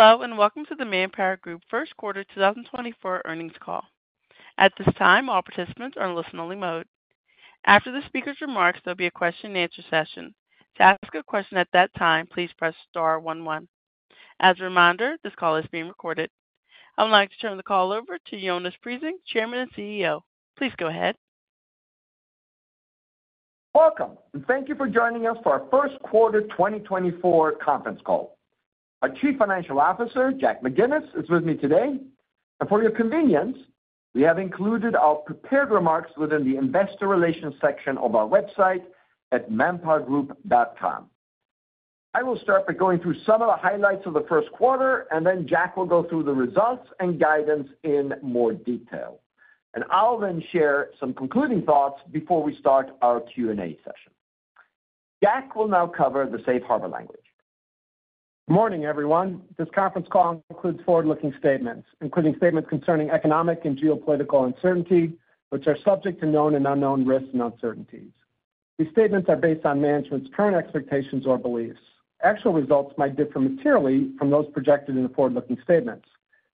Hello and welcome to the ManpowerGroup First Quarter 2024 Earnings Call. At this time, all participants are in listen-only mode. After the speaker's remarks, there'll be a question-and-answer session. To ask a question at that time, please press star one one. As a reminder, this call is being recorded. I'm going to turn the call over to Jonas Prising, Chairman and CEO. Please go ahead. Welcome, and thank you for joining us for our First Quarter 2024 Conference Call. Our Chief Financial Officer, Jack McGinnis, is with me today, and for your convenience, we have included our prepared remarks within the Investor Relations section of our website at manpowergroup.com. I will start by going through some of the highlights of the first quarter, and then Jack will go through the results and guidance in more detail, and I'll then share some concluding thoughts before we start our Q&A session. Jack will now cover the Safe Harbor language. Good morning, everyone. This conference call includes forward-looking statements, including statements concerning economic and geopolitical uncertainty, which are subject to known and unknown risks and uncertainties. These statements are based on management's current expectations or beliefs. Actual results might differ materially from those projected in the forward-looking statements.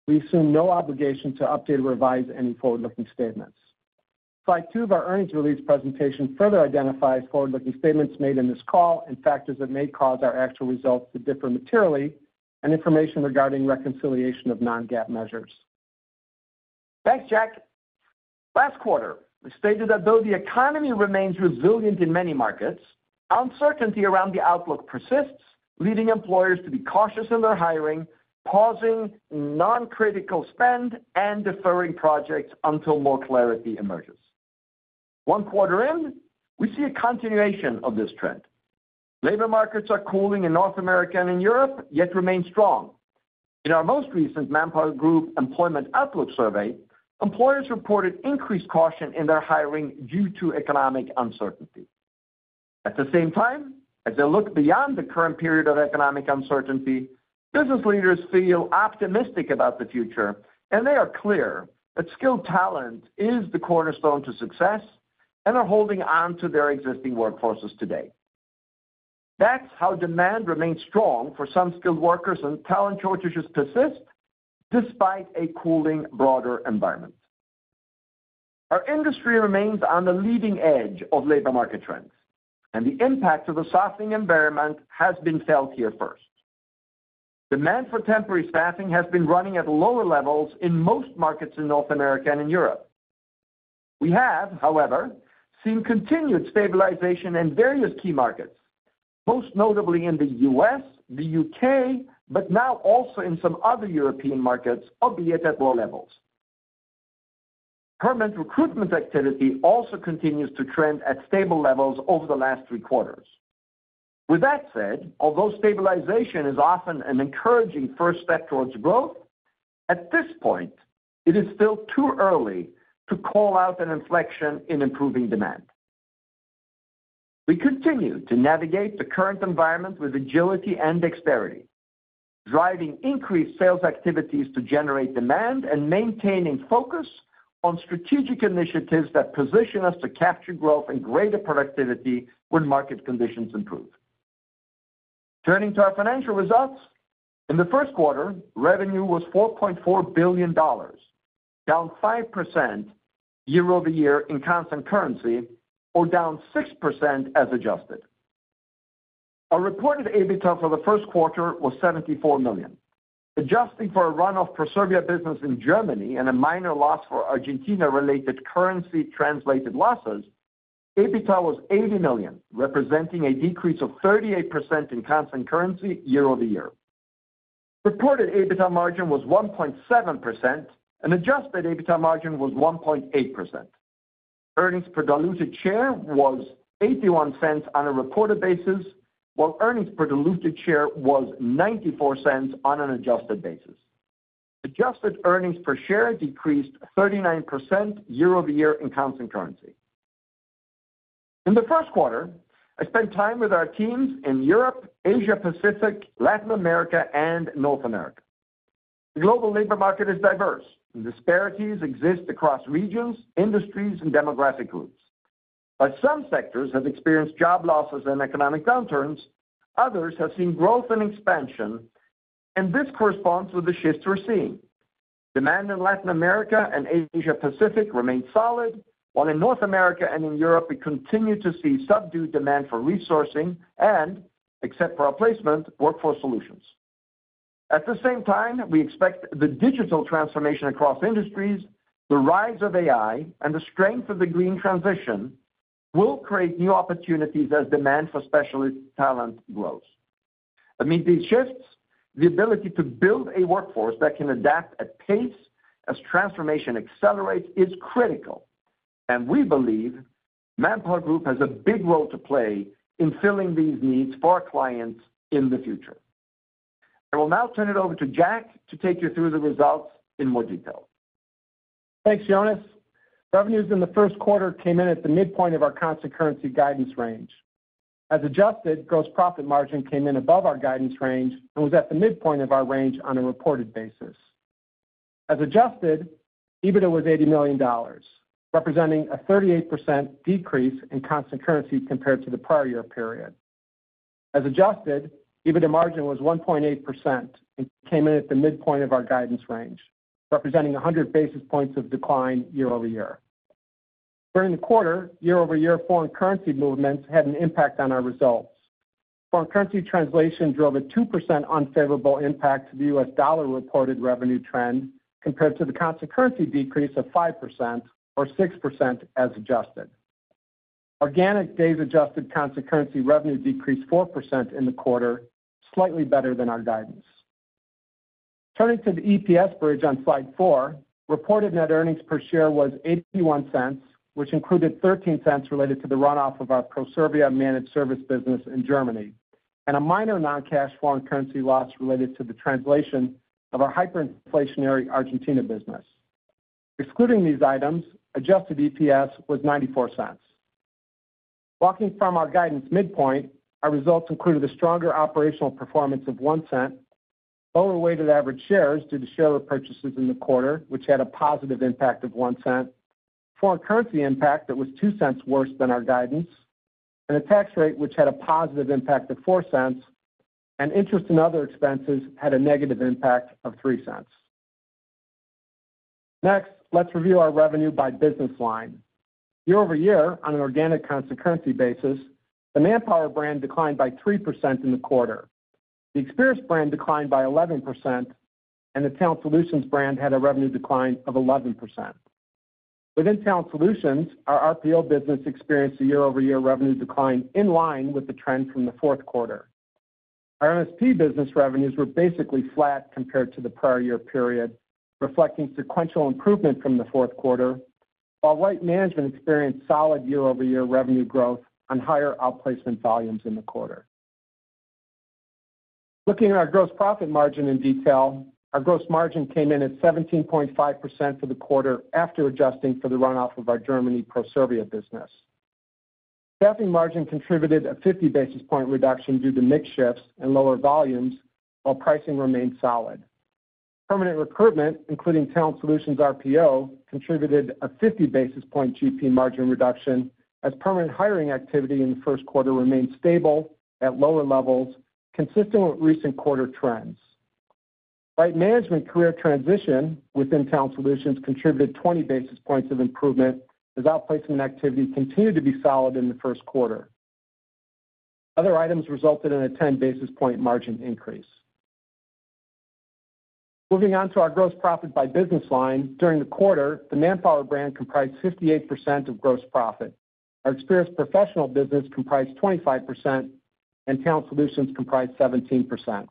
We assume no obligation to update or revise any forward-looking statements. Slide 2 of our earnings release presentation further identifies forward-looking statements made in this call and factors that may cause our actual results to differ materially, and information regarding reconciliation of non-GAAP measures. Thanks, Jack. Last quarter, we stated that though the economy remains resilient in many markets, uncertainty around the outlook persists, leading employers to be cautious in their hiring, pausing non-critical spend, and deferring projects until more clarity emerges. One quarter in, we see a continuation of this trend. Labor markets are cooling in North America and in Europe, yet remain strong. In our most recent ManpowerGroup Employment Outlook Survey, employers reported increased caution in their hiring due to economic uncertainty. At the same time, as they look beyond the current period of economic uncertainty, business leaders feel optimistic about the future, and they are clear that skilled talent is the cornerstone to success and are holding on to their existing workforces today. That's how demand remains strong for some skilled workers, and talent shortages persist despite a cooling broader environment. Our industry remains on the leading edge of labor market trends, and the impact of the softening environment has been felt here first. Demand for temporary staffing has been running at lower levels in most markets in North America and in Europe. We have, however, seen continued stabilization in various key markets, most notably in the U.S., the U.K., but now also in some other European markets, albeit at lower levels. Permanent recruitment activity also continues to trend at stable levels over the last three quarters. With that said, although stabilization is often an encouraging first step towards growth, at this point, it is still too early to call out an inflection in improving demand. We continue to navigate the current environment with agility and dexterity, driving increased sales activities to generate demand and maintaining focus on strategic initiatives that position us to capture growth and greater productivity when market conditions improve. Turning to our financial results, in the first quarter, revenue was $4.4 billion, down 5% year-over-year in constant currency, or down 6% as adjusted. Our reported EBITDA for the first quarter was $74 million. Adjusting for a runoff for Proservia business in Germany and a minor loss for Argentina-related currency-translated losses, EBITDA was $80 million, representing a decrease of 38% in constant currency year-over-year. Reported EBITDA margin was 1.7%, and adjusted EBITDA margin was 1.8%. Earnings per diluted share was $0.81 on a reported basis, while earnings per diluted share was $0.94 on an adjusted basis. Adjusted earnings per share decreased 39% year-over-year in constant currency. In the first quarter, I spent time with our teams in Europe, Asia-Pacific, Latin America, and North America. The global labor market is diverse, and disparities exist across regions, industries, and demographic groups. While some sectors have experienced job losses and economic downturns, others have seen growth and expansion, and this corresponds with the shifts we're seeing. Demand in Latin America and Asia-Pacific remains solid, while in North America and in Europe, we continue to see subdued demand for resourcing and, except for replacement, workforce solutions. At the same time, we expect the digital transformation across industries, the rise of AI, and the strength of the green transition will create new opportunities as demand for specialist talent grows. Amid these shifts, the ability to build a workforce that can adapt at pace as transformation accelerates is critical, and we believe ManpowerGroup has a big role to play in filling these needs for our clients in the future. I will now turn it over to Jack to take you through the results in more detail. Thanks, Jonas. Revenues in the first quarter came in at the midpoint of our constant currency guidance range. As adjusted, gross profit margin came in above our guidance range and was at the midpoint of our range on a reported basis. As adjusted, EBITDA was $80 million, representing a 38% decrease in constant currency compared to the prior year period. As adjusted, EBITDA margin was 1.8% and came in at the midpoint of our guidance range, representing 100 basis points of decline year-over-year. During the quarter, year-over-year, foreign currency movements had an impact on our results. Foreign currency translation drove a 2% unfavorable impact to the U.S. dollar reported revenue trend compared to the constant currency decrease of 5% or 6% as adjusted. Organic Days Adjusted constant currency revenue decreased 4% in the quarter, slightly better than our guidance. Turning to the EPS bridge on slide 4, reported net earnings per share was $0.81, which included $0.13 related to the runoff of our Proservia managed service business in Germany and a minor non-cash foreign currency loss related to the translation of our hyperinflationary Argentina business. Excluding these items, adjusted EPS was $0.94. Walking from our guidance midpoint, our results included a stronger operational performance of $0.01, lower weighted average shares due to share repurchases in the quarter, which had a positive impact of $0.01, foreign currency impact that was $0.02 worse than our guidance, and a tax rate which had a positive impact of $0.04, and interest and other expenses had a negative impact of $0.03. Next, let's review our revenue by business line. Year over year, on an organic constant currency basis, the Manpower brand declined by 3% in the quarter, the Experis brand declined by 11%, and the Talent Solutions brand had a revenue decline of 11%. Within Talent Solutions, our RPO business experienced a year-over-year revenue decline in line with the trend from the fourth quarter. Our MSP business revenues were basically flat compared to the prior year period, reflecting sequential improvement from the fourth quarter, while Right Management experienced solid year-over-year revenue growth on higher outplacement volumes in the quarter. Looking at our gross profit margin in detail, our gross margin came in at 17.5% for the quarter after adjusting for the runoff of our Germany Proservia business. Staffing margin contributed a 50 basis point reduction due to mix shifts and lower volumes, while pricing remained solid. Permanent recruitment, including Talent Solutions RPO, contributed a 50 basis points GP margin reduction as permanent hiring activity in the first quarter remained stable at lower levels, consistent with recent quarter trends. Right Management career transition within Talent Solutions contributed 20 basis points of improvement as outplacement activity continued to be solid in the first quarter. Other items resulted in a 10 basis points margin increase. Moving on to our gross profit by business line, during the quarter, the Manpower brand comprised 58% of gross profit. Our Experis Professional business comprised 25%, and Talent Solutions comprised 17%.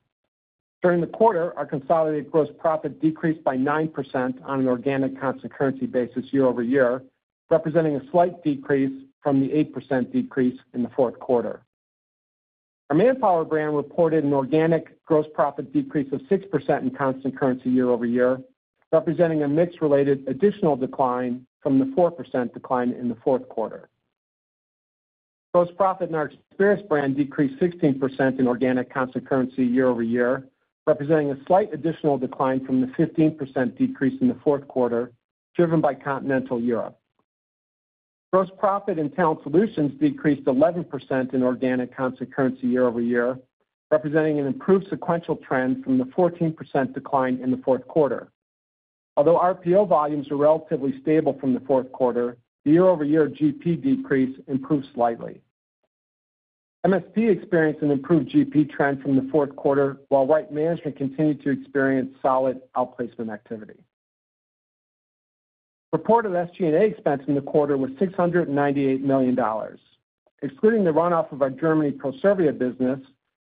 During the quarter, our consolidated gross profit decreased by 9% on an organic constant currency basis year-over-year, representing a slight decrease from the 8% decrease in the fourth quarter. Our Manpower brand reported an organic gross profit decrease of 6% in constant currency year-over-year, representing a mix-related additional decline from the 4% decline in the fourth quarter. Gross profit in our Experis brand decreased 16% in organic constant currency year-over-year, representing a slight additional decline from the 15% decrease in the fourth quarter, driven by continental Europe. Gross profit in Talent Solutions decreased 11% in organic constant currency year-over-year, representing an improved sequential trend from the 14% decline in the fourth quarter. Although RPO volumes are relatively stable from the fourth quarter, the year-over-year GP decrease improved slightly. MSP experienced an improved GP trend from the fourth quarter, while Right Management continued to experience solid outplacement activity. Reported SG&A expense in the quarter was $698 million. Excluding the runoff of our Germany Proservia business,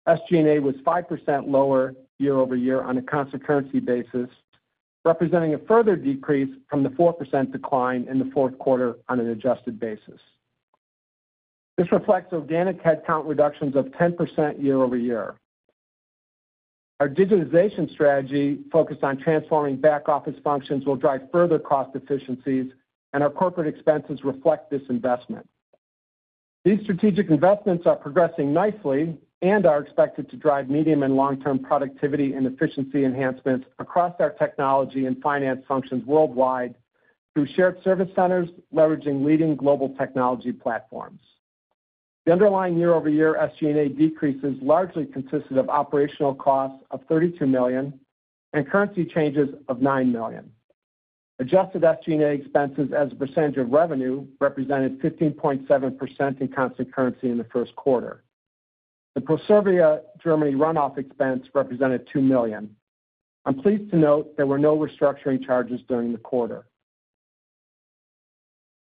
SG&A was 5% lower year-over-year on a constant currency basis, representing a further decrease from the 4% decline in the fourth quarter on an adjusted basis. This reflects organic headcount reductions of 10% year-over-year. Our digitization strategy focused on transforming back-office functions will drive further cost efficiencies, and our corporate expenses reflect this investment. These strategic investments are progressing nicely and are expected to drive medium and long-term productivity and efficiency enhancements across our technology and finance functions worldwide through shared service centers leveraging leading global technology platforms. The underlying year-over-year SG&A decreases largely consisted of operational costs of $32 million and currency changes of $9 million. Adjusted SG&A expenses as a percentage of revenue represented 15.7% in constant currency in the first quarter. The Proservia Germany runoff expense represented $2 million. I'm pleased to note there were no restructuring charges during the quarter.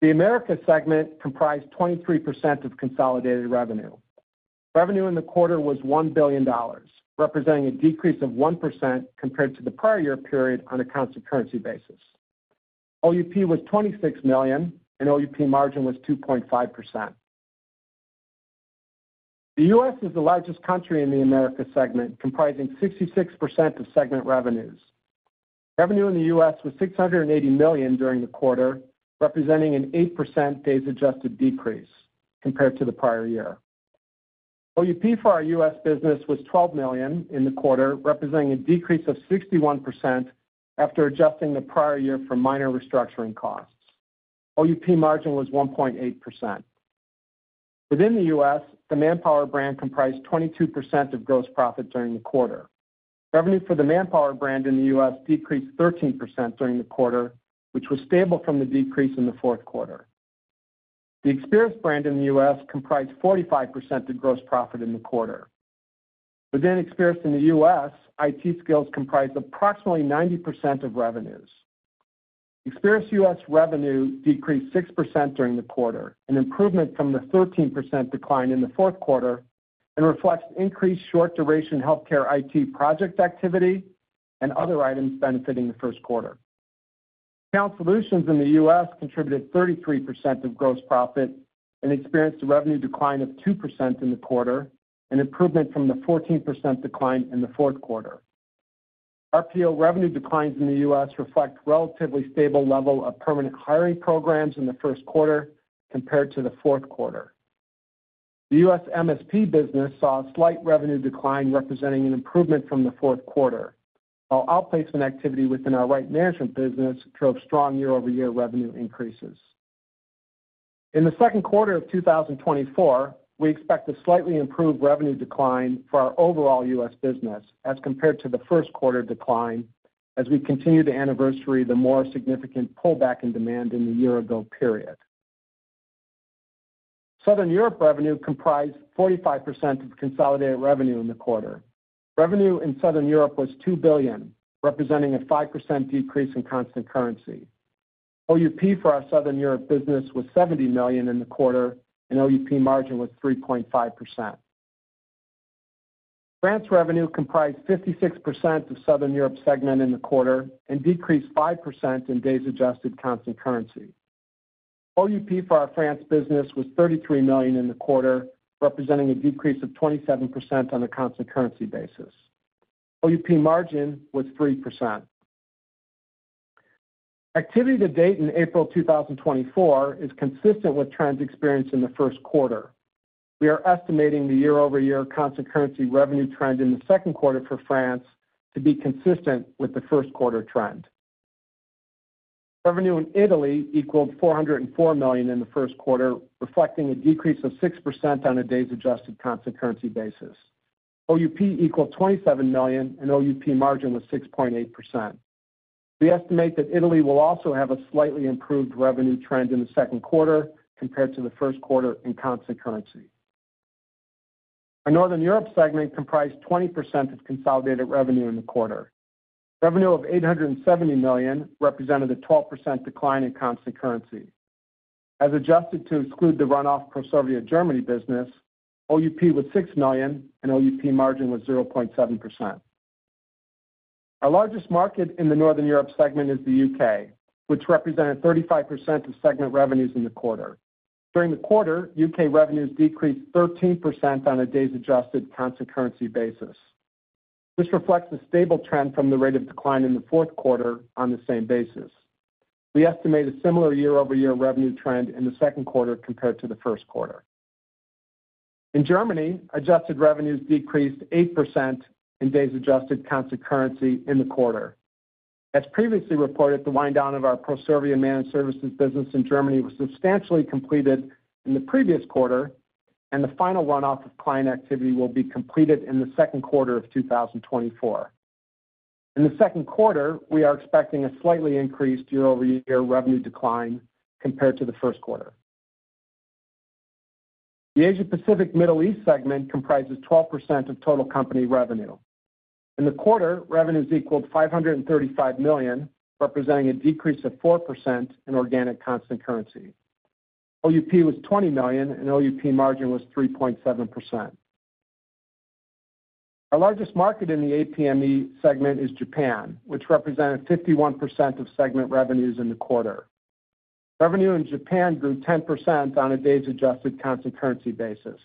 The Americas segment comprised 23% of consolidated revenue. Revenue in the quarter was $1 billion, representing a decrease of 1% compared to the prior year period on a constant currency basis. OUP was $26 million, and OUP margin was 2.5%. The U.S. is the largest country in the Americas segment, comprising 66% of segment revenues. Revenue in the U.S. was $680 million during the quarter, representing an 8% days adjusted decrease compared to the prior year. OUP for our U.S. business was $12 million in the quarter, representing a decrease of 61% after adjusting the prior year for minor restructuring costs. OUP margin was 1.8%. Within the U.S., the Manpower brand comprised 22% of gross profit during the quarter. Revenue for the Manpower brand in the U.S. decreased 13% during the quarter, which was stable from the decrease in the fourth quarter. The Experis brand in the U.S. comprised 45% of gross profit in the quarter. Within Experis in the U.S., IT skills comprise approximately 90% of revenues. Experis U.S. revenue decreased 6% during the quarter, an improvement from the 13% decline in the fourth quarter, and reflects increased short-duration healthcare IT project activity and other items benefiting the first quarter. Talent Solutions in the U.S. contributed 33% of gross profit and experienced a revenue decline of 2% in the quarter, an improvement from the 14% decline in the fourth quarter. RPO revenue declines in the U.S. reflect a relatively stable level of permanent hiring programs in the first quarter compared to the fourth quarter. The U.S. MSP business saw a slight revenue decline, representing an improvement from the fourth quarter, while outplacement activity within our Right Management business drove strong year-over-year revenue increases. In the second quarter of 2024, we expect a slightly improved revenue decline for our overall U.S. business as compared to the first quarter decline as we continue to anniversary the more significant pullback in demand in the year-ago period. Southern Europe revenue comprised 45% of consolidated revenue in the quarter. Revenue in Southern Europe was $2 billion, representing a 5% decrease in constant currency. OUP for our Southern Europe business was $70 million in the quarter, and OUP margin was 3.5%. France revenue comprised 56% of Southern Europe segment in the quarter and decreased 5% in days adjusted constant currency. OUP for our France business was $33 million in the quarter, representing a decrease of 27% on a constant currency basis. OUP margin was 3%. Activity to date in April 2024 is consistent with trends experienced in the first quarter. We are estimating the year-over-year constant currency revenue trend in the second quarter for France to be consistent with the first quarter trend. Revenue in Italy equaled $404 million in the first quarter, reflecting a decrease of 6% on a days adjusted constant currency basis. OUP equaled $27 million, and OUP margin was 6.8%. We estimate that Italy will also have a slightly improved revenue trend in the second quarter compared to the first quarter in constant currency. Our Northern Europe segment comprised 20% of consolidated revenue in the quarter. Revenue of $870 million represented a 12% decline in constant currency. As adjusted to exclude the runoff Proservia Germany business, OUP was $6 million, and OUP margin was 0.7%. Our largest market in the Northern Europe segment is the U.K., which represented 35% of segment revenues in the quarter. During the quarter, U.K. revenues decreased 13% on a days adjusted constant currency basis. This reflects a stable trend from the rate of decline in the fourth quarter on the same basis. We estimate a similar year-over-year revenue trend in the second quarter compared to the first quarter. In Germany, adjusted revenues decreased 8% in days adjusted constant currency in the quarter. As previously reported, the wind-down of our Proservia managed services business in Germany was substantially completed in the previous quarter, and the final runoff of client activity will be completed in the second quarter of 2024. In the second quarter, we are expecting a slightly increased year-over-year revenue decline compared to the first quarter. The Asia-Pacific Middle East segment comprises 12% of total company revenue. In the quarter, revenues equaled $535 million, representing a decrease of 4% in organic constant currency. OUP was $20 million, and OUP margin was 3.7%. Our largest market in the APME segment is Japan, which represented 51% of segment revenues in the quarter. Revenue in Japan grew 10% on a days adjusted constant currency basis.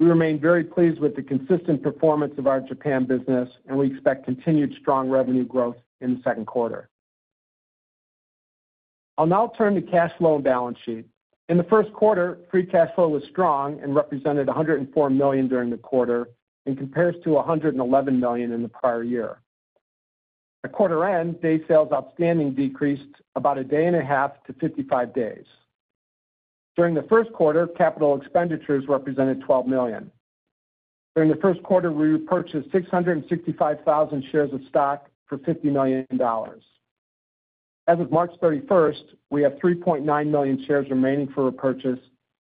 We remain very pleased with the consistent performance of our Japan business, and we expect continued strong revenue growth in the second quarter. I'll now turn to cash flow and balance sheet. In the first quarter, free cash flow was strong and represented $104 million during the quarter and compares to $111 million in the prior year. At quarter end, days sales outstanding decreased about a day and a half to 55 days. During the first quarter, capital expenditures represented $12 million. During the first quarter, we repurchased 665,000 shares of stock for $50 million. As of March 31st, we have 3.9 million shares remaining for repurchase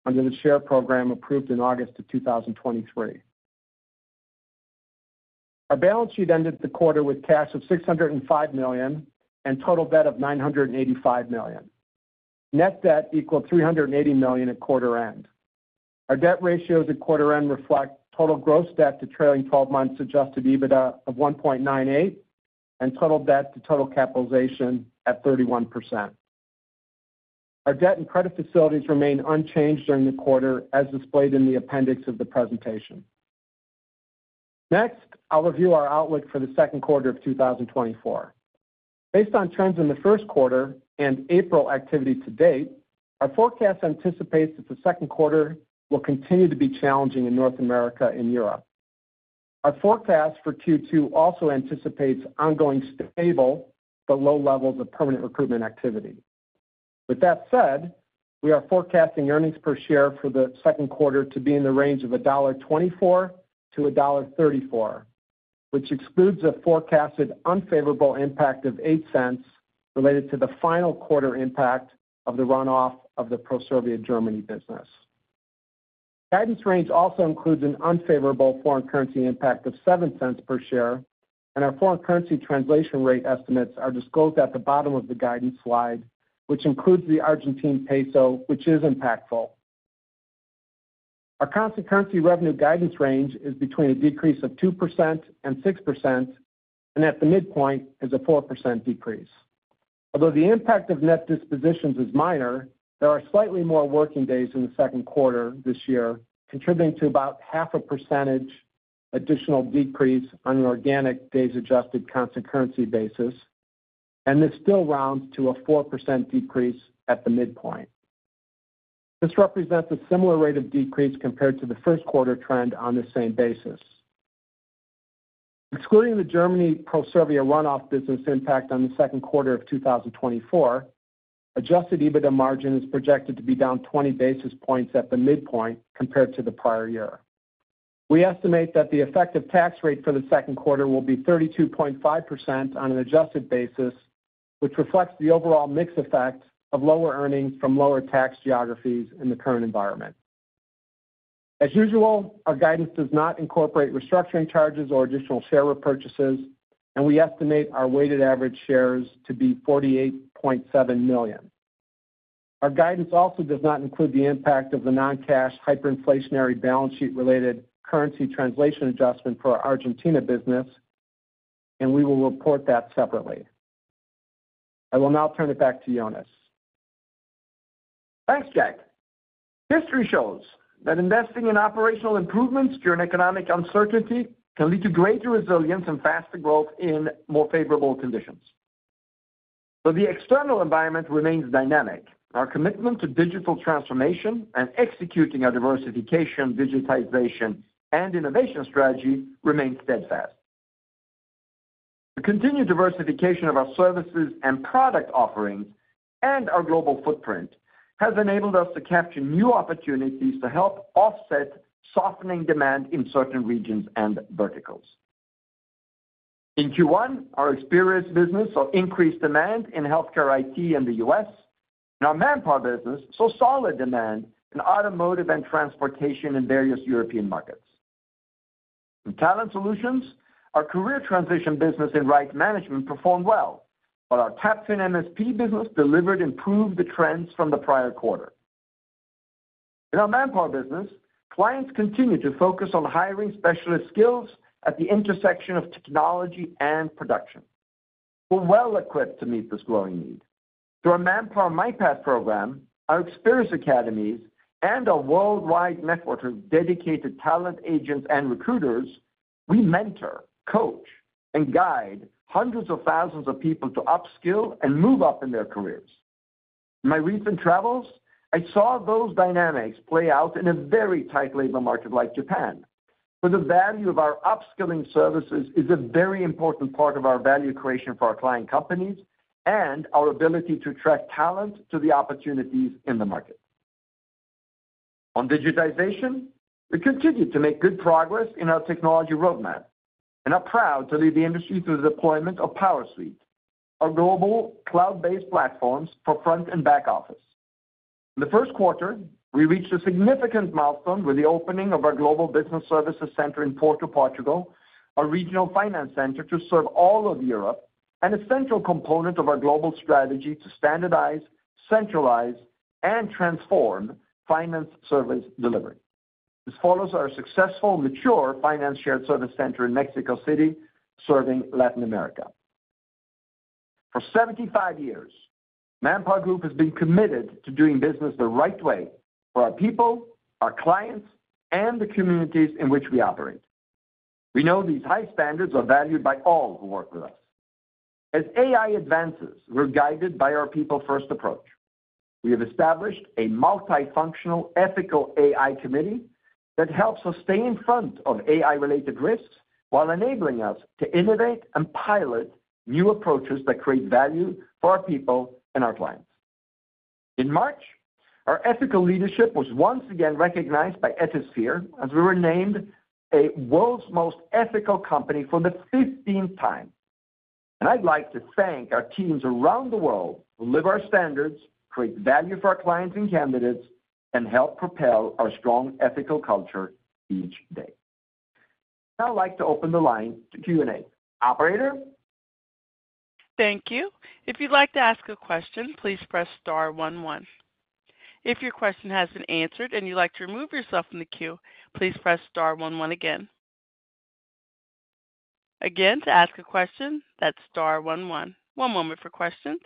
under the share program approved in August of 2023. Our balance sheet ended the quarter with cash of $605 million and total debt of $985 million. Net debt equaled $380 million at quarter end. Our debt ratios at quarter end reflect total gross debt to trailing 12 months Adjusted EBITDA of 1.98 and total debt to total capitalization at 31%. Our debt and credit facilities remain unchanged during the quarter, as displayed in the appendix of the presentation. Next, I'll review our outlook for the second quarter of 2024. Based on trends in the first quarter and April activity to date, our forecast anticipates that the second quarter will continue to be challenging in North America and Europe. Our forecast for Q2 also anticipates ongoing stable but low levels of permanent recruitment activity. With that said, we are forecasting earnings per share for the second quarter to be in the range of $1.24-$1.34, which excludes a forecasted unfavorable impact of $0.08 related to the final quarter impact of the runoff of the Proservia Germany business. Guidance range also includes an unfavorable foreign currency impact of $0.07 per share, and our foreign currency translation rate estimates are disclosed at the bottom of the guidance slide, which includes the Argentine peso, which is impactful. Our constant currency revenue guidance range is between a 2%-6% decrease, and at the midpoint is a 4% decrease. Although the impact of net dispositions is minor, there are slightly more working days in the second quarter this year, contributing to about 0.5% additional decrease on an organic days adjusted constant currency basis, and this still rounds to a 4% decrease at the midpoint. This represents a similar rate of decrease compared to the first quarter trend on the same basis. Excluding the Germany Proservia runoff business impact on the second quarter of 2024, Adjusted EBITDA margin is projected to be down 20 basis points at the midpoint compared to the prior year. We estimate that the effective tax rate for the second quarter will be 32.5% on an adjusted basis, which reflects the overall mix effect of lower earnings from lower tax geographies in the current environment. As usual, our guidance does not incorporate restructuring charges or additional share repurchases, and we estimate our weighted average shares to be 48.7 million. Our guidance also does not include the impact of the non-cash hyperinflationary balance sheet-related currency translation adjustment for our Argentina business, and we will report that separately. I will now turn it back to Jonas. Thanks, Jack. History shows that investing in operational improvements during economic uncertainty can lead to greater resilience and faster growth in more favorable conditions. Though the external environment remains dynamic, our commitment to digital transformation and executing our diversification, digitization, and innovation strategy remains steadfast. The continued diversification of our services and product offerings and our global footprint has enabled us to capture new opportunities to help offset softening demand in certain regions and verticals. In Q1, our Experis business saw increased demand in healthcare IT in the U.S., and our Manpower business saw solid demand in automotive and transportation in various European markets. In Talent Solutions, our career transition business in Right Management performed well, while our TAPFIN MSP business delivered improved trends from the prior quarter. In our Manpower business, clients continue to focus on hiring specialist skills at the intersection of technology and production. We're well-equipped to meet this growing need. Through our Manpower MyPath program, our Experis Academies, and our worldwide network of dedicated talent agents and recruiters, we mentor, coach, and guide hundreds of thousands of people to upskill and move up in their careers. In my recent travels, I saw those dynamics play out in a very tight labor market like Japan. Though the value of our upskilling services is a very important part of our value creation for our client companies and our ability to attract talent to the opportunities in the market. On digitization, we continue to make good progress in our technology roadmap, and are proud to lead the industry through the deployment of PowerSuite, our global cloud-based platforms for front and back office. In the first quarter, we reached a significant milestone with the opening of our Global Business Services Center in Porto, Portugal, our regional finance center to serve all of Europe, and a central component of our global strategy to standardize, centralize, and transform finance service delivery. This follows our successful, mature finance shared service center in Mexico City serving Latin America. For 75 years, ManpowerGroup has been committed to doing business the right way for our people, our clients, and the communities in which we operate. We know these high standards are valued by all who work with us. As AI advances, we're guided by our people-first approach. We have established a multifunctional Ethical AI Committee that helps us stay in front of AI-related risks while enabling us to innovate and pilot new approaches that create value for our people and our clients. In March, our ethical leadership was once again recognized by Ethisphere as we were named a World's Most Ethical Company for the 15th time. And I'd like to thank our teams around the world who live our standards, create value for our clients and candidates, and help propel our strong ethical culture each day. I'd now like to open the line to Q&A. Operator? Thank you. If you'd like to ask a question, please press star one one. If your question has been answered and you'd like to remove yourself from the queue, please press star one one again. Again, to ask a question, that's star one one. One moment for questions.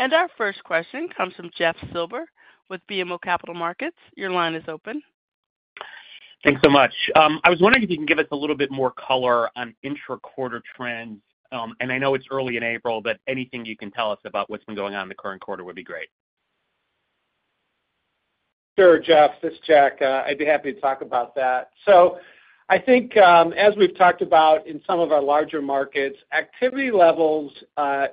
Our first question comes from Jeff Silber with BMO Capital Markets. Your line is open. Thanks so much. I was wondering if you can give us a little bit more color on intra-quarter trends. And I know it's early in April, but anything you can tell us about what's been going on in the current quarter would be great. Sure, Jeff. This is Jack. I'd be happy to talk about that. So I think, as we've talked about in some of our larger markets, activity levels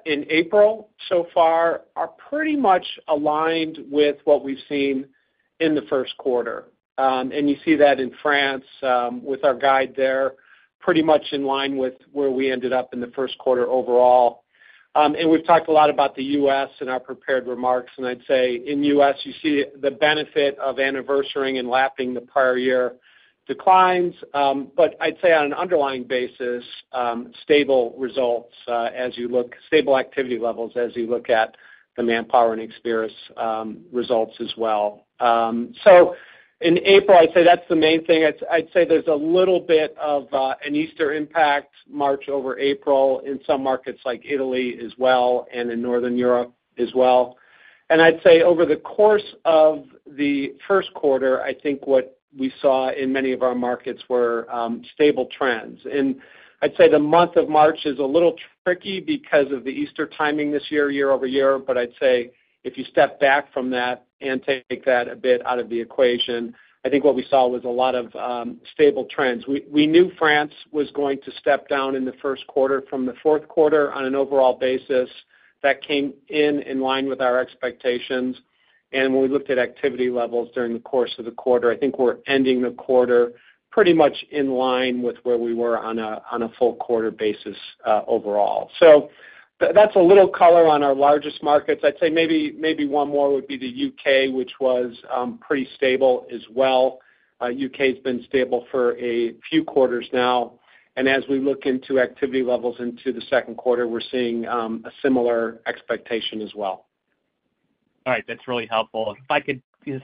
in April so far are pretty much aligned with what we've seen in the first quarter. You see that in France with our guidance there, pretty much in line with where we ended up in the first quarter overall. We've talked a lot about the U.S. in our prepared remarks. I'd say, in the U.S., you see the benefit of anniversary and lapping the prior year declines. But I'd say, on an underlying basis, stable results as you look at stable activity levels as you look at the Manpower and Experis results as well. So in April, I'd say that's the main thing. I'd say there's a little bit of an Easter impact March over April in some markets like Italy as well and in Northern Europe as well. Over the course of the first quarter, I think what we saw in many of our markets were stable trends. And I'd say the month of March is a little tricky because of the Easter timing this year, year-over-year. But I'd say, if you step back from that and take that a bit out of the equation, I think what we saw was a lot of stable trends. We knew France was going to step down in the first quarter from the fourth quarter on an overall basis. That came in in line with our expectations. And when we looked at activity levels during the course of the quarter, I think we're ending the quarter pretty much in line with where we were on a full quarter basis overall. So that's a little color on our largest markets. I'd say maybe one more would be the U.K., which was pretty stable as well. U.K. has been stable for a few quarters now. As we look into activity levels into the second quarter, we're seeing a similar expectation as well. All right. That's really helpful. If I could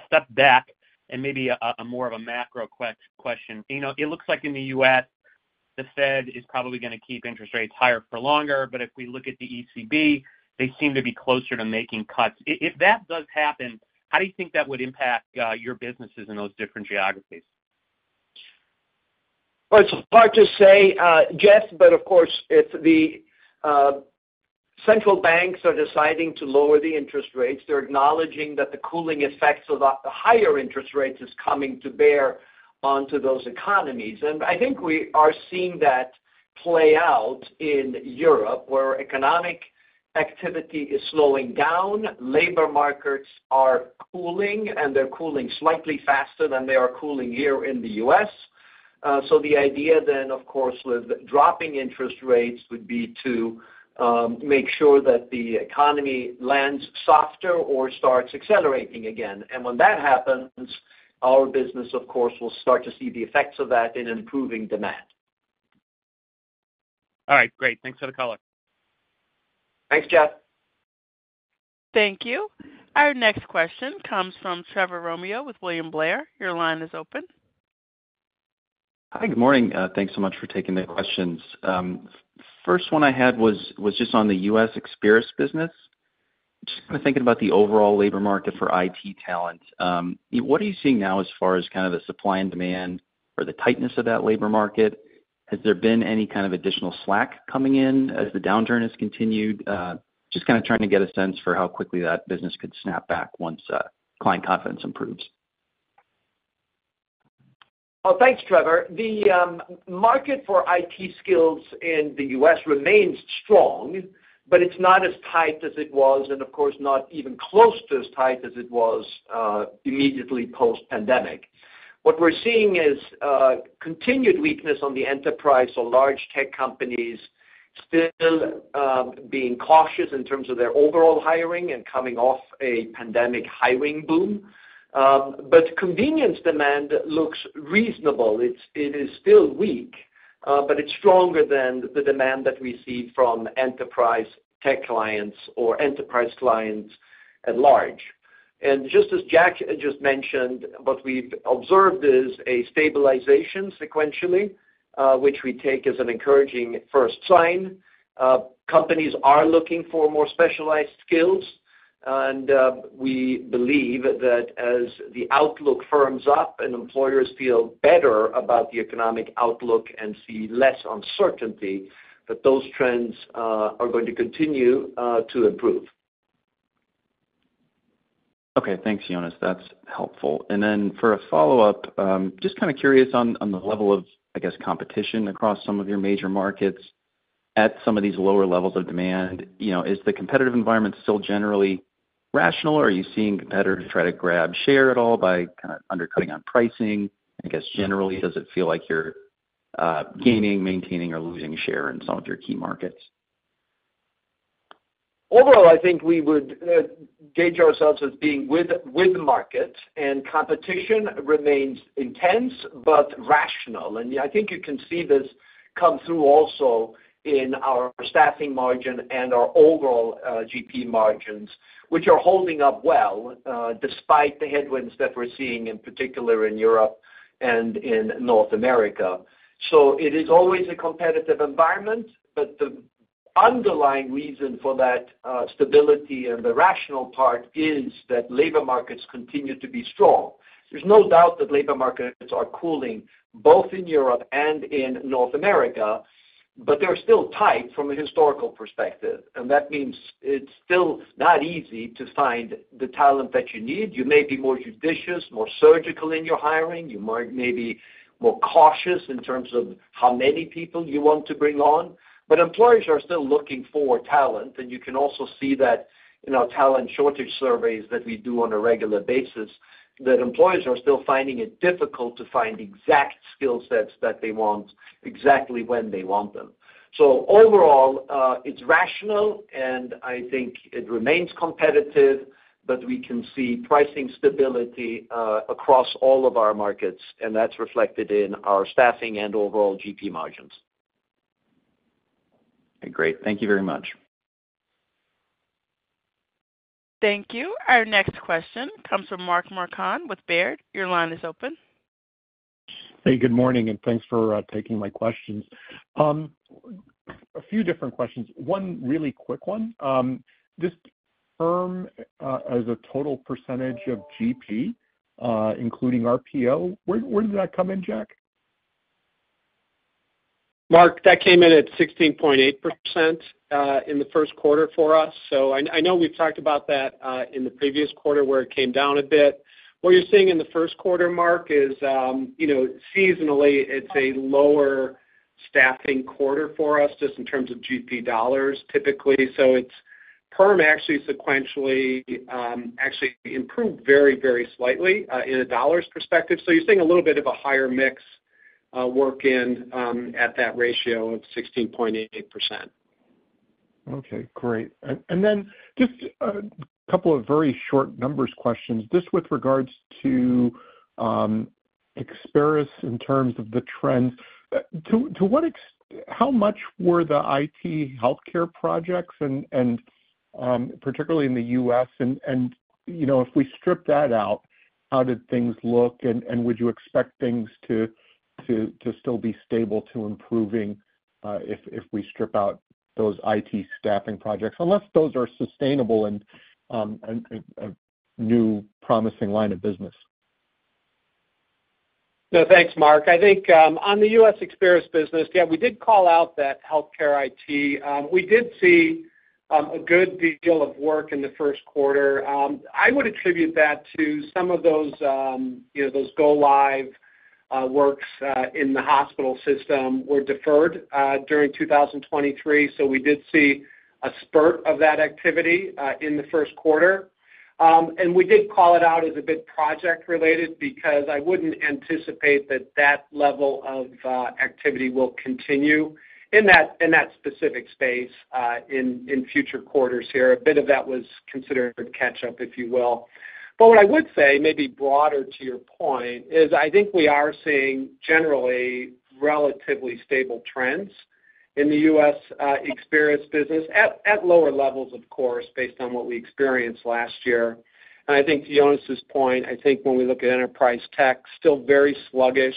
step back and maybe more of a macro question. It looks like, in the U.S., the Fed is probably going to keep interest rates higher for longer. But if we look at the ECB, they seem to be closer to making cuts. If that does happen, how do you think that would impact your businesses in those different geographies? Well, it's hard to say, Jeff, but of course, if the central banks are deciding to lower the interest rates, they're acknowledging that the cooling effects of the higher interest rates are coming to bear onto those economies. And I think we are seeing that play out in Europe, where economic activity is slowing down, labor markets are cooling, and they're cooling slightly faster than they are cooling here in the U.S. So the idea then, of course, with dropping interest rates would be to make sure that the economy lands softer or starts accelerating again. And when that happens, our business, of course, will start to see the effects of that in improving demand. All right. Great. Thanks for the color. Thanks, Jeff. Thank you. Our next question comes from Trevor Romeo with William Blair. Your line is open. Hi. Good morning. Thanks so much for taking the questions. First one I had was just on the U.S. Experis business. Just kind of thinking about the overall labor market for IT talent. What are you seeing now as far as kind of the supply and demand or the tightness of that labor market? Has there been any kind of additional slack coming in as the downturn has continued? Just kind of trying to get a sense for how quickly that business could snap back once client confidence improves. Oh, thanks, Trevor. The market for IT skills in the U.S. remains strong, but it's not as tight as it was and, of course, not even close to as tight as it was immediately post-pandemic. What we're seeing is continued weakness on the enterprise or large tech companies, still being cautious in terms of their overall hiring and coming off a pandemic hiring boom. But contingent demand looks reasonable. It is still weak, but it's stronger than the demand that we see from enterprise tech clients or enterprise clients at large. And just as Jack just mentioned, what we've observed is a stabilization sequentially, which we take as an encouraging first sign. Companies are looking for more specialized skills. And we believe that as the outlook firms up and employers feel better about the economic outlook and see less uncertainty, that those trends are going to continue to improve. Okay. Thanks, Jonas. That's helpful. And then, for a follow-up, just kind of curious on the level of, I guess, competition across some of your major markets at some of these lower levels of demand. Is the competitive environment still generally rational, or are you seeing competitors try to grab share at all by kind of undercutting on pricing? And, I guess, generally, does it feel like you're gaining, maintaining, or losing share in some of your key markets? Overall, I think we would gauge ourselves as being with the market. Competition remains intense but rational. I think you can see this come through also in our staffing margin and our overall GP margins, which are holding up well despite the headwinds that we're seeing, in particular, in Europe and in North America. It is always a competitive environment. The underlying reason for that stability and the rational part is that labor markets continue to be strong. There's no doubt that labor markets are cooling, both in Europe and in North America. They're still tight from a historical perspective. That means it's still not easy to find the talent that you need. You may be more judicious, more surgical in your hiring. You might be more cautious in terms of how many people you want to bring on. Employers are still looking for talent. And you can also see that in our talent shortage surveys that we do on a regular basis, that employers are still finding it difficult to find exact skill sets that they want exactly when they want them. So overall, it's rational, and I think it remains competitive. But we can see pricing stability across all of our markets. And that's reflected in our staffing and overall GP margins. Okay. Great. Thank you very much. Thank you. Our next question comes from Mark Marcon with Baird. Your line is open. Hey. Good morning. And thanks for taking my questions. A few different questions. One really quick one. This firm has a total percentage of GP, including RPO. Where did that come in, Jack? Mark, that came in at 16.8% in the first quarter for us. So I know we've talked about that in the previous quarter where it came down a bit. What you're seeing in the first quarter, Mark, is, seasonally, it's a lower staffing quarter for us just in terms of GP dollars, typically. So perm actually sequentially actually improved very, very slightly in a dollars perspective. So you're seeing a little bit of a higher mix work in at that ratio of 16.8%. Okay. Great. And then just a couple of very short numbers questions, just with regards to Experis in terms of the trends. To what extent how much were the IT, healthcare projects, particularly in the US? And if we strip that out, how did things look? And would you expect things to still be stable to improving if we strip out those IT staffing projects, unless those are sustainable and a new promising line of business? No. Thanks, Mark. I think, on the U.S. Experis business, yeah, we did call out that healthcare IT. We did see a good deal of work in the first quarter. I would attribute that to some of those go-live works in the hospital system were deferred during 2023. So we did see a spurt of that activity in the first quarter. And we did call it out as a bit project-related because I wouldn't anticipate that that level of activity will continue in that specific space in future quarters here. A bit of that was considered catch-up, if you will. But what I would say, maybe broader to your point, is I think we are seeing, generally, relatively stable trends in the U.S. Experis business at lower levels, of course, based on what we experienced last year. And I think, to Jonas's point, I think, when we look at enterprise tech, still very sluggish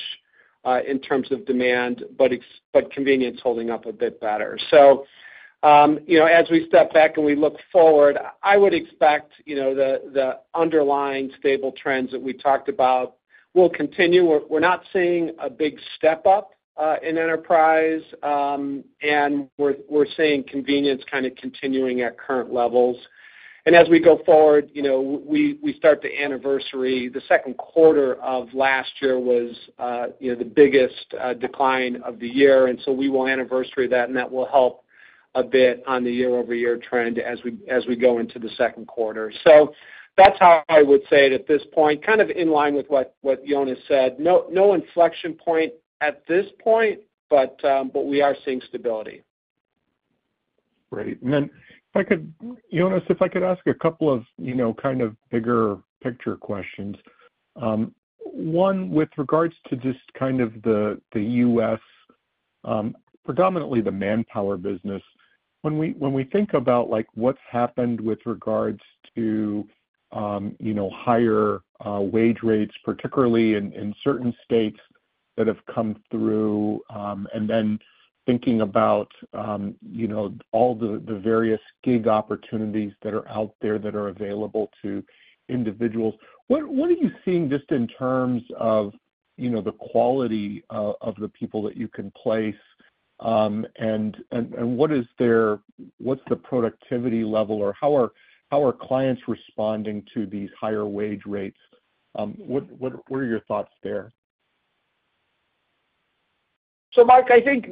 in terms of demand, but contingent holding up a bit better. So as we step back and we look forward, I would expect the underlying stable trends that we talked about will continue. We're not seeing a big step up in enterprise. And we're seeing contingent kind of continuing at current levels. And as we go forward, we start the anniversary. The second quarter of last year was the biggest decline of the year. And so we will anniversary that, and that will help a bit on the year-over-year trend as we go into the second quarter. So that's how I would say it at this point, kind of in line with what Jonas said. No inflection point at this point, but we are seeing stability. Great. And then, Jonas, if I could ask a couple of kind of bigger picture questions, one with regards to just kind of the U.S., predominantly the Manpower business. When we think about what's happened with regards to higher wage rates, particularly in certain states that have come through, and then thinking about all the various gig opportunities that are out there that are available to individuals, what are you seeing just in terms of the quality of the people that you can place? And what's the productivity level, or how are clients responding to these higher wage rates? What are your thoughts there? So, Mark, I think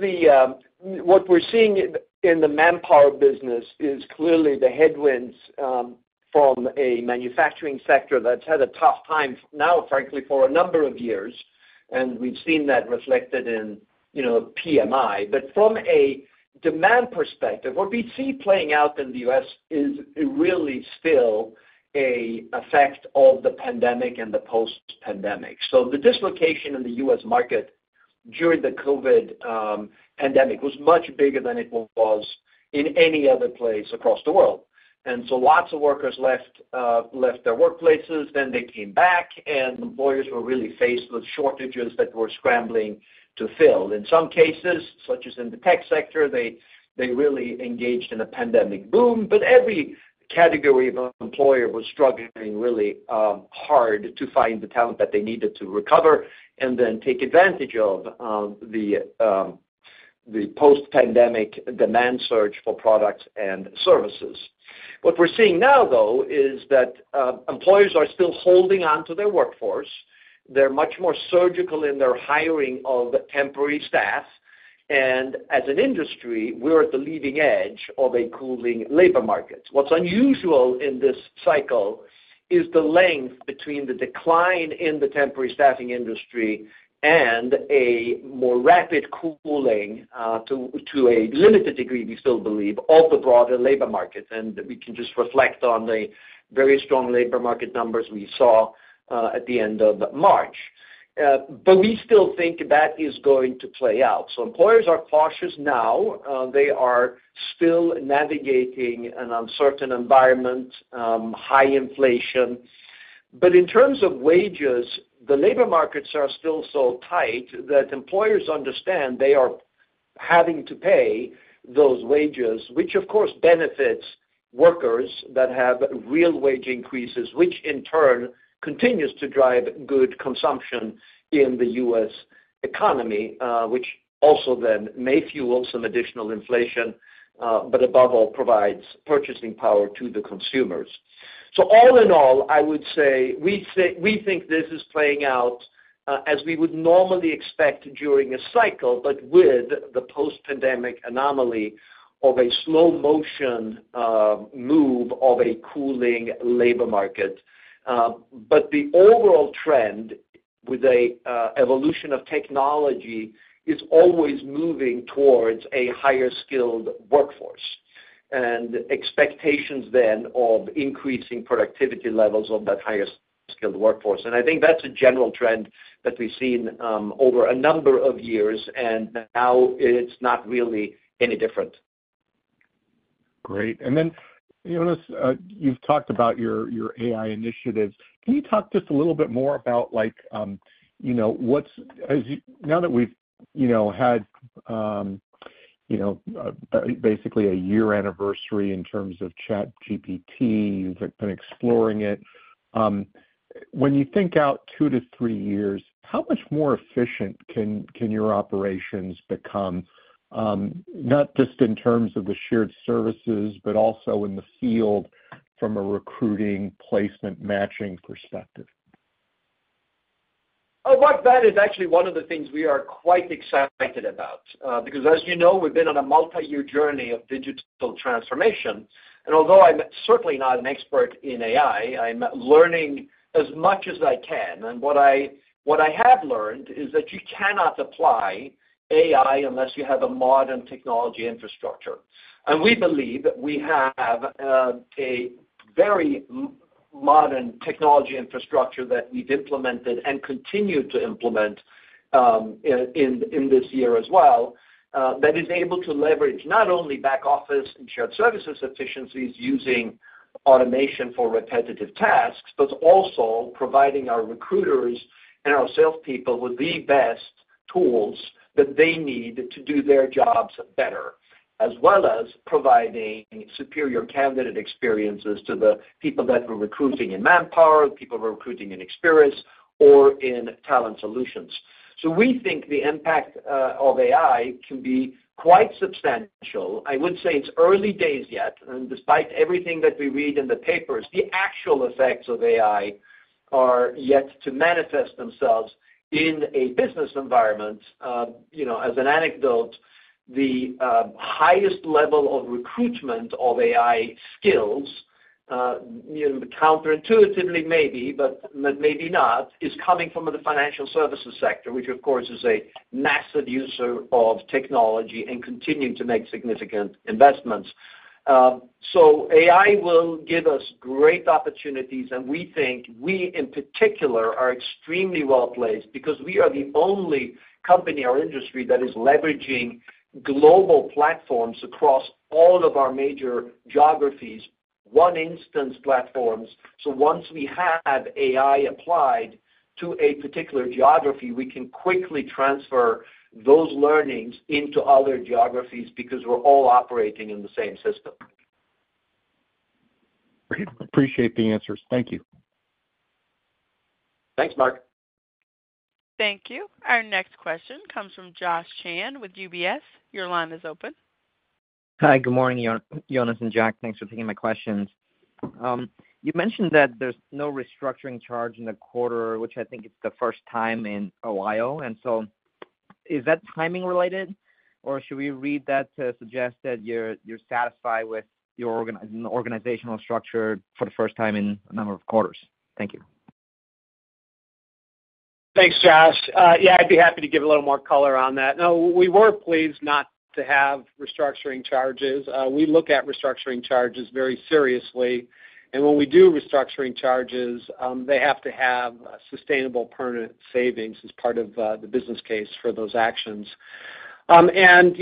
what we're seeing in the Manpower business is, clearly, the headwinds from a manufacturing sector that's had a tough time now, frankly, for a number of years. And we've seen that reflected in PMI. But from a demand perspective, what we see playing out in the U.S. is really still an effect of the pandemic and the post-pandemic. So the dislocation in the U.S. market during the COVID pandemic was much bigger than it was in any other place across the world. And so lots of workers left their workplaces. Then they came back, and employers were really faced with shortages that were scrambling to fill. In some cases, such as in the tech sector, they really engaged in a pandemic boom. But every category of employer was struggling, really, hard to find the talent that they needed to recover and then take advantage of the post-pandemic demand surge for products and services. What we're seeing now, though, is that employers are still holding onto their workforce. They're much more surgical in their hiring of temporary staff. And as an industry, we're at the leading edge of a cooling labor market. What's unusual in this cycle is the length between the decline in the temporary staffing industry and a more rapid cooling, to a limited degree, we still believe, of the broader labor market. And we can just reflect on the very strong labor market numbers we saw at the end of March. But we still think that is going to play out. So employers are cautious now. They are still navigating an uncertain environment, high inflation. But in terms of wages, the labor markets are still so tight that employers understand they are having to pay those wages, which, of course, benefits workers that have real wage increases, which, in turn, continues to drive good consumption in the U.S. economy, which also then may fuel some additional inflation but, above all, provides purchasing power to the consumers. So all in all, I would say we think this is playing out as we would normally expect during a cycle but with the post-pandemic anomaly of a slow-motion move of a cooling labor market. But the overall trend, with an evolution of technology, is always moving towards a higher-skilled workforce and expectations then of increasing productivity levels of that higher-skilled workforce. And I think that's a general trend that we've seen over a number of years. And now, it's not really any different. Great. And then, Jonas, you've talked about your AI initiatives. Can you talk just a little bit more about what's now that we've had, basically, a year anniversary in terms of ChatGPT, you've been exploring it, when you think out two to three years, how much more efficient can your operations become, not just in terms of the shared services but also in the field from a recruiting, placement, matching perspective? Oh, Mark, that is actually one of the things we are quite excited about because, as you know, we've been on a multi-year journey of digital transformation. And although I'm certainly not an expert in AI, I'm learning as much as I can. And what I have learned is that you cannot apply AI unless you have a modern technology infrastructure. We believe that we have a very modern technology infrastructure that we've implemented and continue to implement in this year as well that is able to leverage not only back office and shared services efficiencies using automation for repetitive tasks but also providing our recruiters and our salespeople with the best tools that they need to do their jobs better, as well as providing superior candidate experiences to the people that we're recruiting in Manpower, the people we're recruiting in Experis, or in Talent Solutions. So we think the impact of AI can be quite substantial. I would say it's early days yet. Despite everything that we read in the papers, the actual effects of AI are yet to manifest themselves in a business environment. As an anecdote, the highest level of recruitment of AI skills, counterintuitively, maybe, but maybe not, is coming from the financial services sector, which, of course, is a massive user of technology and continuing to make significant investments. So AI will give us great opportunities. And we think we, in particular, are extremely well-placed because we are the only company, our industry, that is leveraging global platforms across all of our major geographies, one-instance platforms. So once we have AI applied to a particular geography, we can quickly transfer those learnings into other geographies because we're all operating in the same system. Great. Appreciate the answers. Thank you. Thanks, Mark. Thank you. Our next question comes from Josh Chan with UBS. Your line is open. Hi. Good morning, Jonas and Jack. Thanks for taking my questions. You mentioned that there's no restructuring charge in the quarter, which I think it's the first time in a while. And so is that timing-related, or should we read that to suggest that you're satisfied with an organizational structure for the first time in a number of quarters? Thank you. Thanks, Josh. Yeah. I'd be happy to give a little more color on that. No. We were pleased not to have restructuring charges. We look at restructuring charges very seriously. And when we do restructuring charges, they have to have sustainable, permanent savings as part of the business case for those actions. And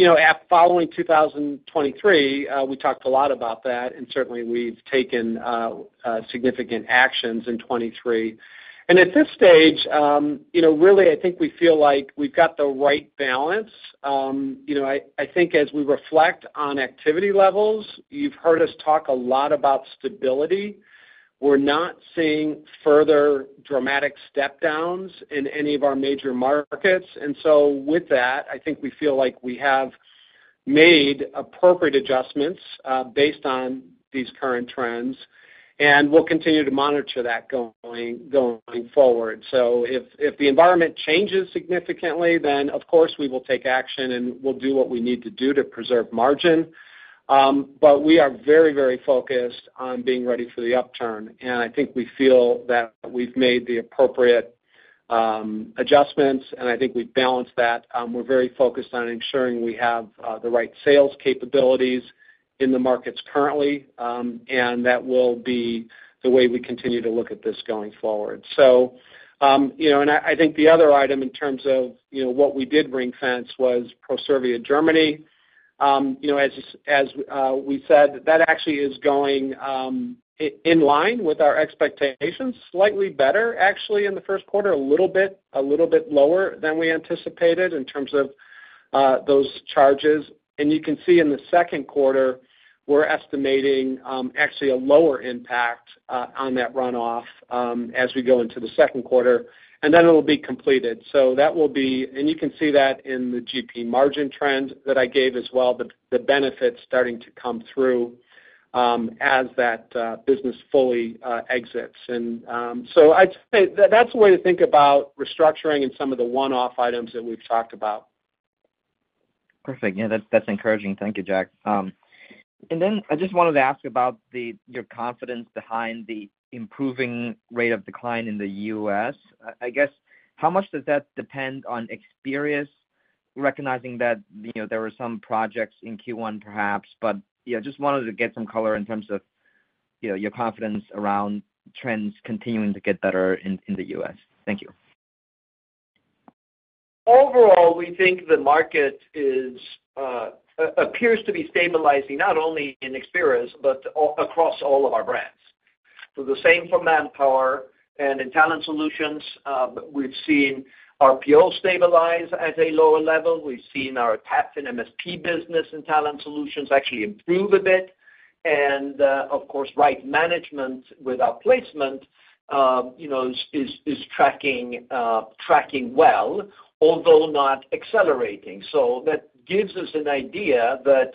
following 2023, we talked a lot about that. And certainly, we've taken significant actions in 2023. And at this stage, really, I think we feel like we've got the right balance. I think, as we reflect on activity levels, you've heard us talk a lot about stability. We're not seeing further dramatic step-downs in any of our major markets. And so with that, I think we feel like we have made appropriate adjustments based on these current trends. And we'll continue to monitor that going forward. So if the environment changes significantly, then, of course, we will take action, and we'll do what we need to do to preserve margin. But we are very, very focused on being ready for the upturn. And I think we feel that we've made the appropriate adjustments. And I think we've balanced that. We're very focused on ensuring we have the right sales capabilities in the markets currently. And that will be the way we continue to look at this going forward. And I think the other item, in terms of what we did ring-fence, was Proservia Germany. As we said, that actually is going in line with our expectations, slightly better, actually, in the first quarter, a little bit lower than we anticipated in terms of those charges. And you can see, in the second quarter, we're estimating, actually, a lower impact on that runoff as we go into the second quarter. And then it'll be completed. So that will be, and you can see that in the GP margin trend that I gave as well, the benefits starting to come through as that business fully exits. And so I'd say that's a way to think about restructuring and some of the one-off items that we've talked about. Perfect. Yeah. That's encouraging. Thank you, Jack. And then I just wanted to ask about your confidence behind the improving rate of decline in the U.S. I guess, how much does that depend on Experis, recognizing that there were some projects in Q1, perhaps? But I just wanted to get some color in terms of your confidence around trends continuing to get better in the U.S. Thank you. Overall, we think the market appears to be stabilizing not only in Experis but across all of our brands. So the same for Manpower and in Talent Solutions. We've seen RPO stabilize at a lower level. We've seen our TAPFIN MSP business in Talent Solutions actually improve a bit. And, of course, Right Management with our placement is tracking well although not accelerating. So that gives us an idea that,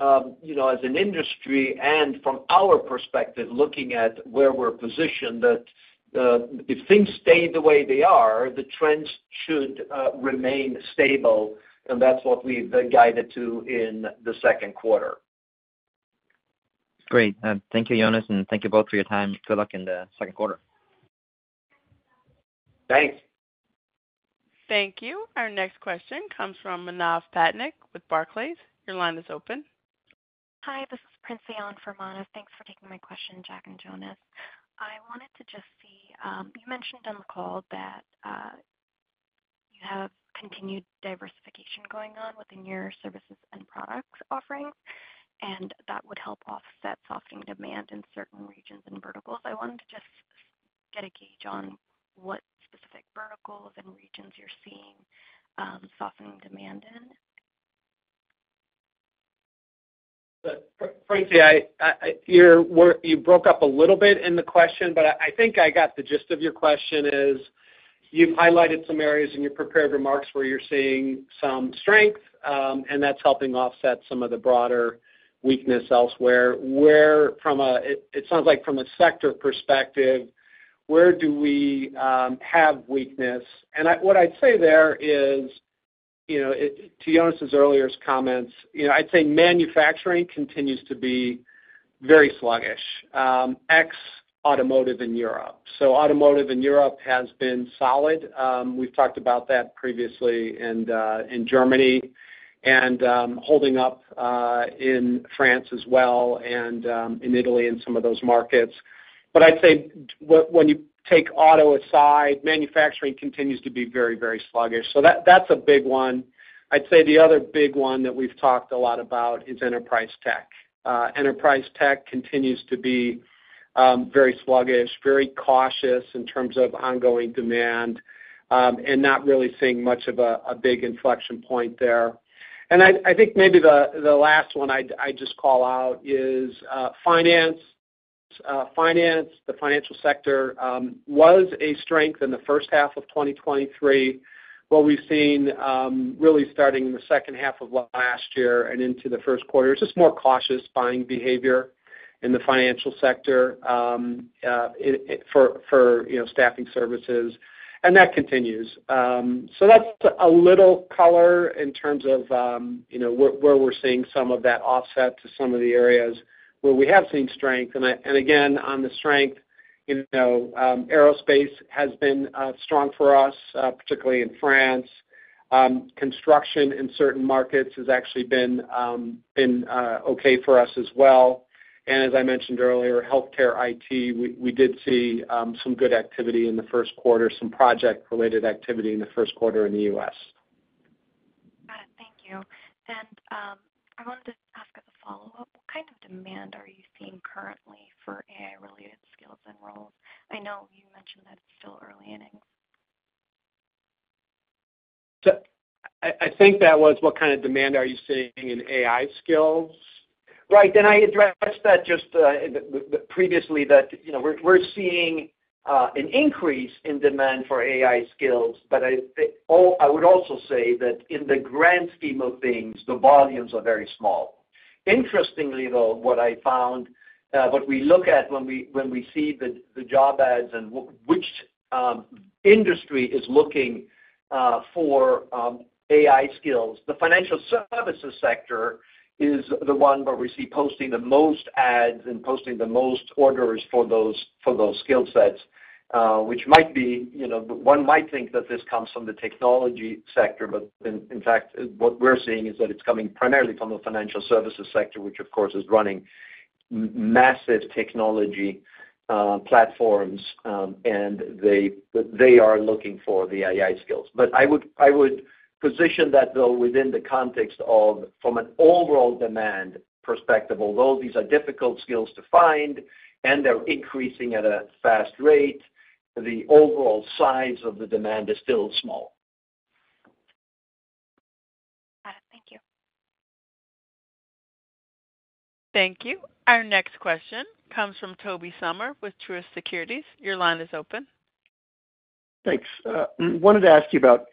as an industry and from our perspective, looking at where we're positioned, that if things stay the way they are, the trends should remain stable. And that's what we've been guided to in the second quarter. Great. Thank you, Jonas. And thank you both for your time. Good luck in the second quarter. Thanks. Thank you. Our next question comes from Manav Patnaik with Barclays. Your line is open. Hi. This is Manav from Barclays. Thanks for taking my question, Jack and Jonas. I wanted to just see you mentioned on the call that you have continued diversification going on within your services and product offerings, and that would help offset softening demand in certain regions and verticals. I wanted to just get a gauge on what specific verticals and regions you're seeing softening demand in. Manav, you broke up a little bit in the question. But I think I got the gist of your question is you've highlighted some areas in your prepared remarks where you're seeing some strength, and that's helping offset some of the broader weakness elsewhere. It sounds like, from a sector perspective, where do we have weakness? And what I'd say there is, to Jonas's earlier comments, I'd say manufacturing continues to be very sluggish, ex-automotive in Europe. So automotive in Europe has been solid. We've talked about that previously in Germany and holding up in France as well and in Italy in some of those markets. But I'd say, when you take auto aside, manufacturing continues to be very, very sluggish. So that's a big one. I'd say the other big one that we've talked a lot about is enterprise tech. Enterprise tech continues to be very sluggish, very cautious in terms of ongoing demand, and not really seeing much of a big inflection point there. And I think maybe the last one I'd just call out is finance. The financial sector was a strength in the first half of 2023. What we've seen, really, starting in the second half of last year and into the first quarter, is just more cautious buying behavior in the financial sector for staffing services. That continues. That's a little color in terms of where we're seeing some of that offset to some of the areas where we have seen strength. Again, on the strength, aerospace has been strong for us, particularly in France. Construction in certain markets has actually been okay for us as well. As I mentioned earlier, healthcare, IT, we did see some good activity in the first quarter, some project-related activity in the first quarter in the U.S. Got it. Thank you. I wanted to ask as a follow-up, what kind of demand are you seeing currently for AI-related skills and roles? I know you mentioned that it's still early innings. I think that was, "What kind of demand are you seeing in AI skills?" Right. And I addressed that just previously, that we're seeing an increase in demand for AI skills. But I would also say that, in the grand scheme of things, the volumes are very small. Interestingly, though, what I found, what we look at when we see the job ads and which industry is looking for AI skills, the financial services sector is the one where we see posting the most ads and posting the most orders for those skill sets, which might be one might think that this comes from the technology sector. But in fact, what we're seeing is that it's coming primarily from the financial services sector, which, of course, is running massive technology platforms. And they are looking for the AI skills. But I would position that, though, within the context of from an overall demand perspective, although these are difficult skills to find and they're increasing at a fast rate, the overall size of the demand is still small. Got it. Thank you. Thank you. Our next question comes from Tobey Sommer with Truist Securities. Your line is open. Thanks. I wanted to ask you about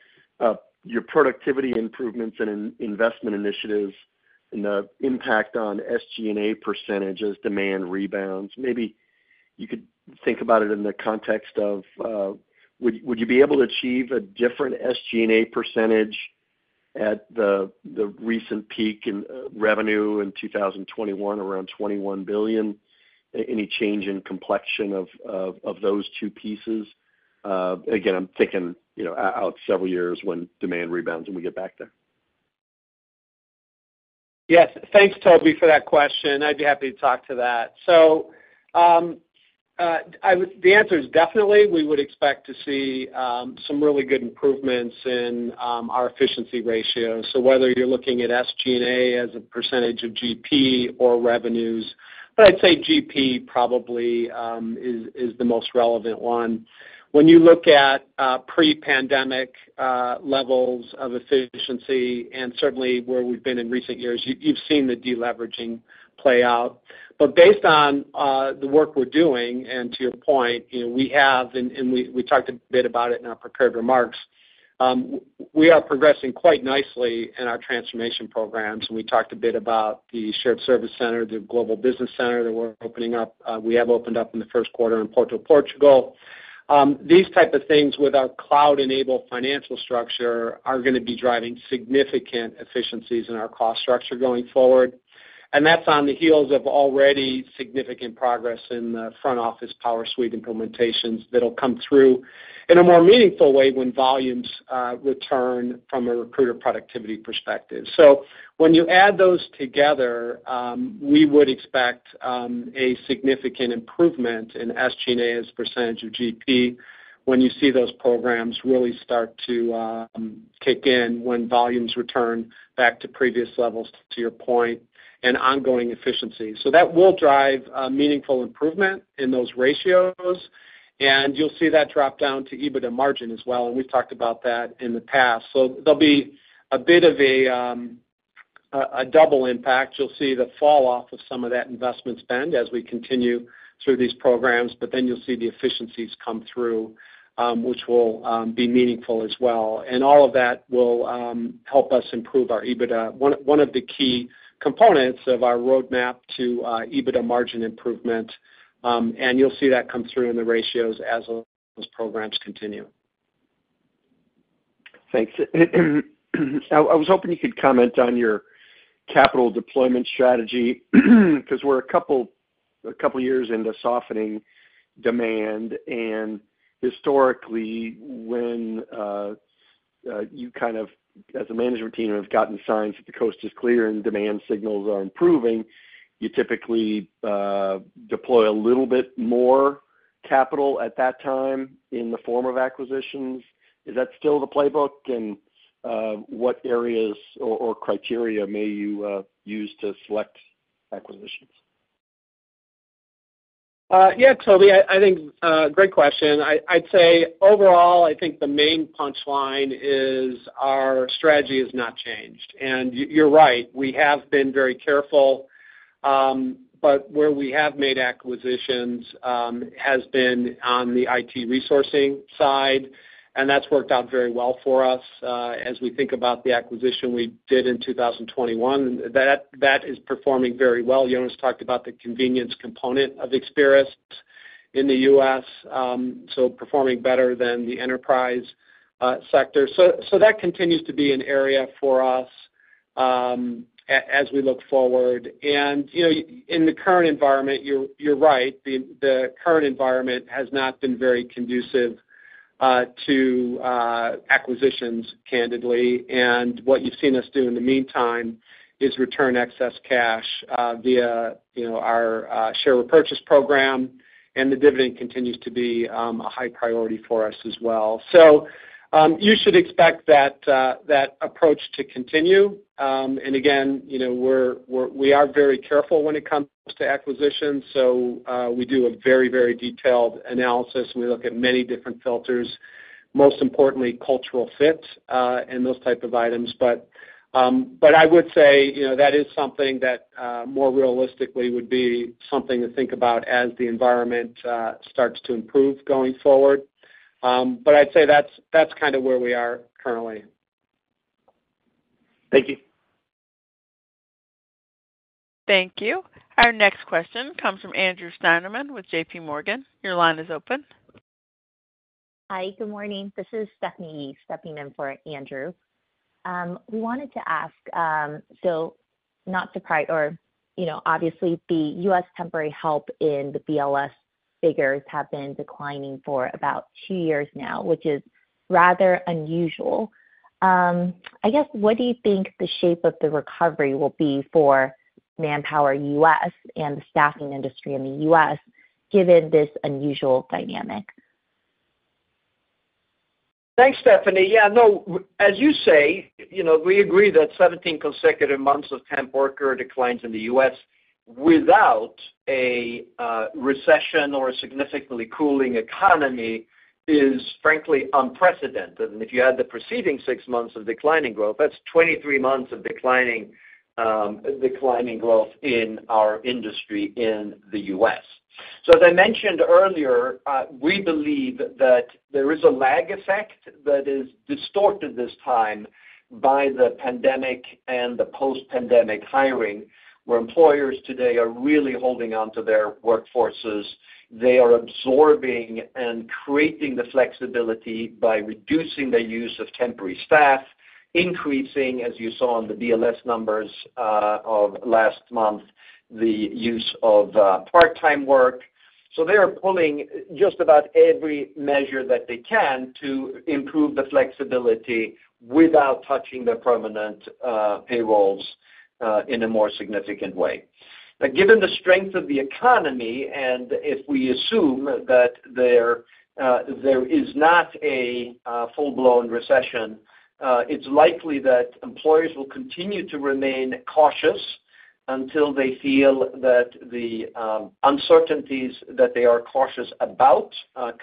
your productivity improvements and investment initiatives and the impact on SG&A percentages demand rebounds. Maybe you could think about it in the context of, would you be able to achieve a different SG&A percentage at the recent peak in revenue in 2021, around $21 billion, any change in complexion of those two pieces? Again, I'm thinking out several years when demand rebounds, and we get back there. Yes. Thanks, Tobey, for that question. I'd be happy to talk to that. So the answer is, definitely, we would expect to see some really good improvements in our efficiency ratios. So whether you're looking at SG&A as a percentage of GP or revenues, but I'd say GP probably is the most relevant one. When you look at pre-pandemic levels of efficiency and, certainly, where we've been in recent years, you've seen the deleveraging play out. But based on the work we're doing and to your point, we have and we talked a bit about it in our prepared remarks. We are progressing quite nicely in our transformation programs. We talked a bit about the shared service center, the global business center that we're opening up. We have opened up in the first quarter in Porto, Portugal. These type of things with our cloud-enabled financial structure are going to be driving significant efficiencies in our cost structure going forward. That's on the heels of already significant progress in the front-office PowerSuite implementations that'll come through in a more meaningful way when volumes return from a recruiter productivity perspective. When you add those together, we would expect a significant improvement in SG&A as a percentage of GP when you see those programs really start to kick in when volumes return back to previous levels, to your point, and ongoing efficiencies. That will drive meaningful improvement in those ratios. You'll see that drop down to EBITDA margin as well. We've talked about that in the past. There'll be a bit of a double impact. You'll see the falloff of some of that investment spend as we continue through these programs. Then you'll see the efficiencies come through, which will be meaningful as well. And all of that will help us improve our EBITDA, one of the key components of our roadmap to EBITDA margin improvement. And you'll see that come through in the ratios as those programs continue. Thanks. I was hoping you could comment on your capital deployment strategy because we're a couple years into softening demand. And historically, when you kind of, as a management team, have gotten signs that the coast is clear and demand signals are improving, you typically deploy a little bit more capital at that time in the form of acquisitions. Is that still the playbook? And what areas or criteria may you use to select acquisitions? Yeah, Tobey. Great question. I'd say, overall, I think the main punchline is our strategy has not changed. And you're right. We have been very careful. But where we have made acquisitions has been on the IT resourcing side. That's worked out very well for us. As we think about the acquisition we did in 2021, that is performing very well. Jonas talked about the convenience component of Experis in the U.S., performing better than the enterprise sector. That continues to be an area for us as we look forward. In the current environment, you're right. The current environment has not been very conducive to acquisitions, candidly. What you've seen us do in the meantime is return excess cash via our share repurchase program. The dividend continues to be a high priority for us as well. You should expect that approach to continue. Again, we are very careful when it comes to acquisitions. We do a very, very detailed analysis. We look at many different filters, most importantly, cultural fit and those type of items. But I would say that is something that, more realistically, would be something to think about as the environment starts to improve going forward. But I'd say that's kind of where we are currently. Thank you. Thank you. Our next question comes from Andrew Steinerman with JPMorgan. Your line is open. Hi. Good morning. This is Stephanie Yee stepping in for Andrew. We wanted to ask so not surprise or obviously, the U.S. temporary help in the BLS figures have been declining for about two years now, which is rather unusual. I guess, what do you think the shape of the recovery will be for Manpower U.S. and the staffing industry in the U.S. given this unusual dynamic? Thanks, Stephanie. Yeah. No, as you say, we agree that 17 consecutive months of temp worker declines in the U.S. without a recession or a significantly cooling economy is, frankly, unprecedented. If you add the preceding six months of declining growth, that's 23 months of declining growth in our industry in the U.S. So as I mentioned earlier, we believe that there is a lag effect that is distorted this time by the pandemic and the post-pandemic hiring, where employers today are really holding onto their workforces. They are absorbing and creating the flexibility by reducing the use of temporary staff, increasing, as you saw in the BLS numbers of last month, the use of part-time work. So they are pulling just about every measure that they can to improve the flexibility without touching their permanent payrolls in a more significant way. Now, given the strength of the economy and if we assume that there is not a full-blown recession, it's likely that employers will continue to remain cautious until they feel that the uncertainties that they are cautious about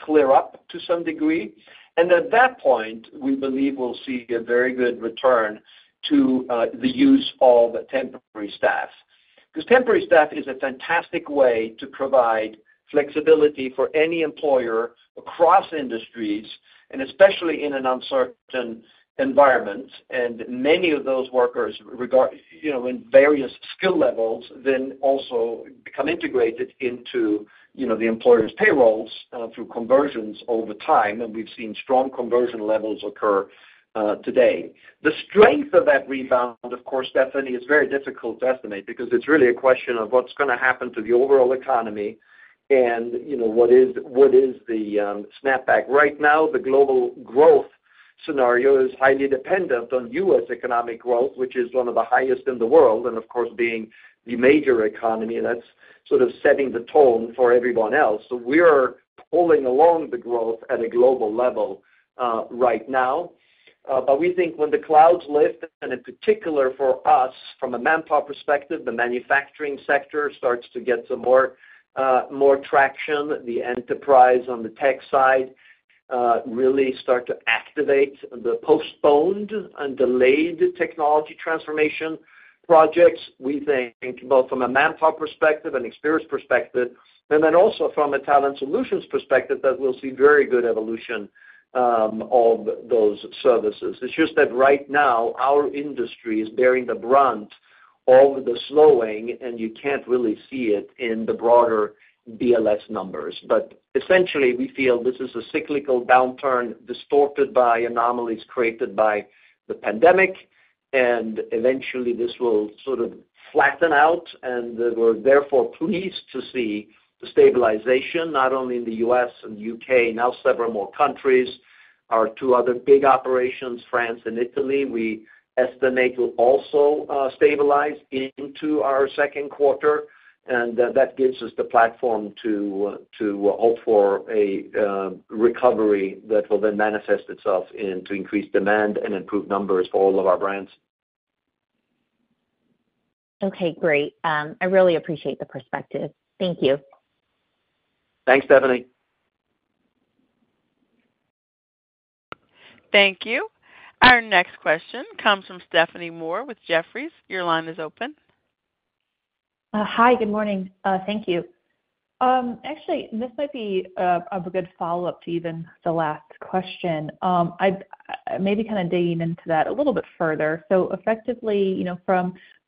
clear up to some degree. And at that point, we believe we'll see a very good return to the use of temporary staff because temporary staff is a fantastic way to provide flexibility for any employer across industries and especially in an uncertain environment. And many of those workers, in various skill levels, then also become integrated into the employer's payrolls through conversions over time. And we've seen strong conversion levels occur today. The strength of that rebound, of course, Stephanie, is very difficult to estimate because it's really a question of what's going to happen to the overall economy and what is the snapback. Right now, the global growth scenario is highly dependent on U.S. economic growth, which is one of the highest in the world and, of course, being the major economy. That's sort of setting the tone for everyone else. So we are pulling along the growth at a global level right now. But we think when the clouds lift and, in particular, for us, from a Manpower perspective, the manufacturing sector starts to get some more traction, the enterprise on the tech side really start to activate the postponed and delayed technology transformation projects, we think, both from a Manpower perspective and Experis perspective and then also from a Talent Solutions perspective that we'll see very good evolution of those services. It's just that, right now, our industry is bearing the brunt of the slowing. You can't really see it in the broader BLS numbers. But essentially, we feel this is a cyclical downturn distorted by anomalies created by the pandemic. And eventually, this will sort of flatten out. And we're, therefore, pleased to see the stabilization not only in the U.S. and the U.K., now several more countries, our two other big operations, France and Italy, we estimate will also stabilize into our second quarter. And that gives us the platform to hope for a recovery that will then manifest itself into increased demand and improved numbers for all of our brands. Okay. Great. I really appreciate the perspective. Thank you. Thanks, Stephanie. Thank you. Our next question comes from Stephanie Moore with Jefferies. Your line is open. Hi. Good morning. Thank you. Actually, this might be a good follow-up to even the last question. I may be kind of digging into that a little bit further. So effectively,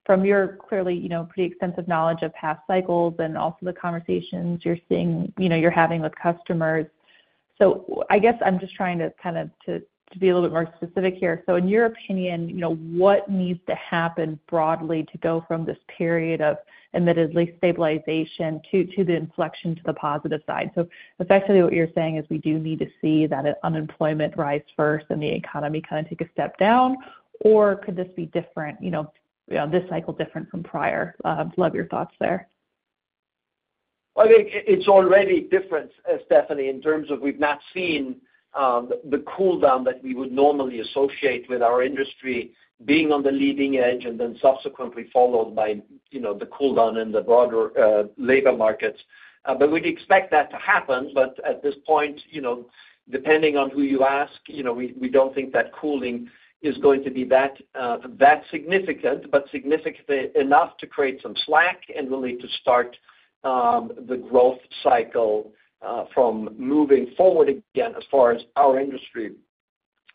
from your clearly pretty extensive knowledge of past cycles and also the conversations you're seeing you're having with customers, so I guess I'm just trying to kind of to be a little bit more specific here. So in your opinion, what needs to happen broadly to go from this period of admittedly stabilization to the inflection to the positive side? So effectively, what you're saying is we do need to see that unemployment rise first and the economy kind of take a step down. Or could this be different, this cycle different from prior? I'd love your thoughts there. Well, I think it's already different, Stephanie, in terms of we've not seen the cooldown that we would normally associate with our industry being on the leading edge and then subsequently followed by the cooldown in the broader labor markets. But we'd expect that to happen. But at this point, depending on who you ask, we don't think that cooling is going to be that significant but significant enough to create some slack and really to start the growth cycle from moving forward again as far as our industry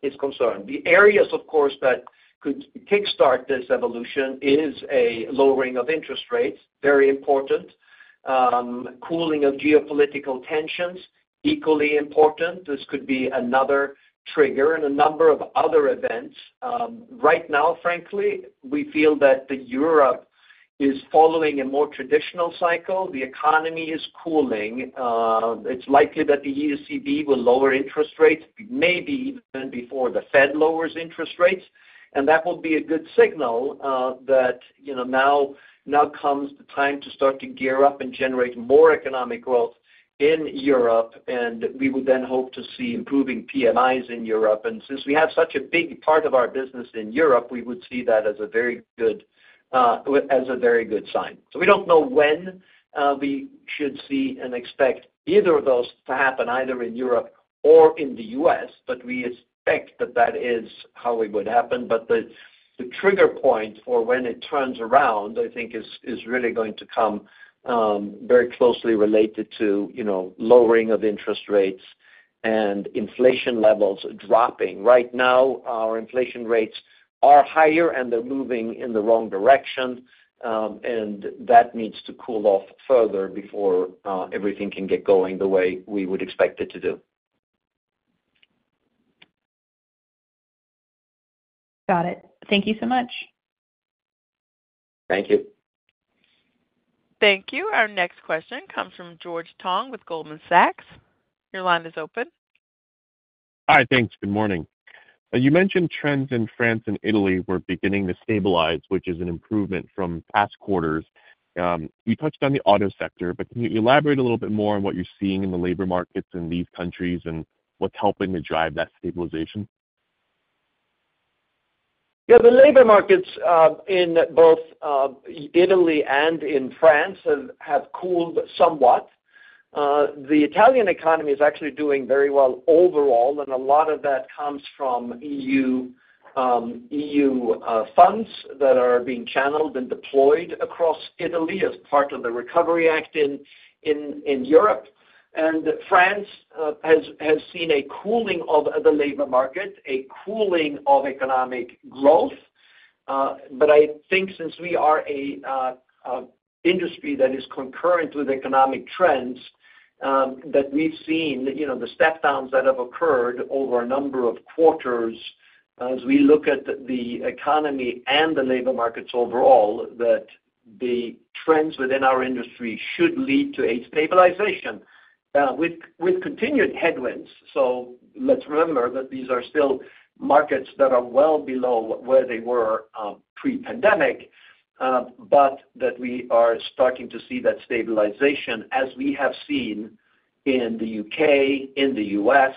is concerned. The areas, of course, that could kickstart this evolution is a lowering of interest rates, very important. Cooling of geopolitical tensions, equally important. This could be another trigger and a number of other events. Right now, frankly, we feel that Europe is following a more traditional cycle. The economy is cooling. It's likely that the ECB will lower interest rates, maybe even before the Fed lowers interest rates. And that will be a good signal that now comes the time to start to gear up and generate more economic growth in Europe. And we would then hope to see improving PMIs in Europe. Since we have such a big part of our business in Europe, we would see that as a very good sign. So we don't know when we should see and expect either of those to happen, either in Europe or in the U.S. But we expect that that is how it would happen. But the trigger point for when it turns around, I think, is really going to come very closely related to lowering of interest rates and inflation levels dropping. Right now, our inflation rates are higher. And they're moving in the wrong direction. And that needs to cool off further before everything can get going the way we would expect it to do. Got it. Thank you so much. Thank you. Thank you. Our next question comes from George Tong with Goldman Sachs. Your line is open. Hi. Thanks. Good morning. You mentioned trends in France and Italy were beginning to stabilize, which is an improvement from past quarters. You touched on the auto sector. But can you elaborate a little bit more on what you're seeing in the labor markets in these countries and what's helping to drive that stabilization? Yeah. The labor markets in both Italy and in France have cooled somewhat. The Italian economy is actually doing very well overall. A lot of that comes from EU funds that are being channeled and deployed across Italy as part of the Recovery Act in Europe. France has seen a cooling of the labor market, a cooling of economic growth. But I think since we are an industry that is concurrent with economic trends, that we've seen the stepdowns that have occurred over a number of quarters as we look at the economy and the labor markets overall, that the trends within our industry should lead to a stabilization with continued headwinds. So let's remember that these are still markets that are well below where they were pre-pandemic but that we are starting to see that stabilization as we have seen in the U.K., in the U.S.,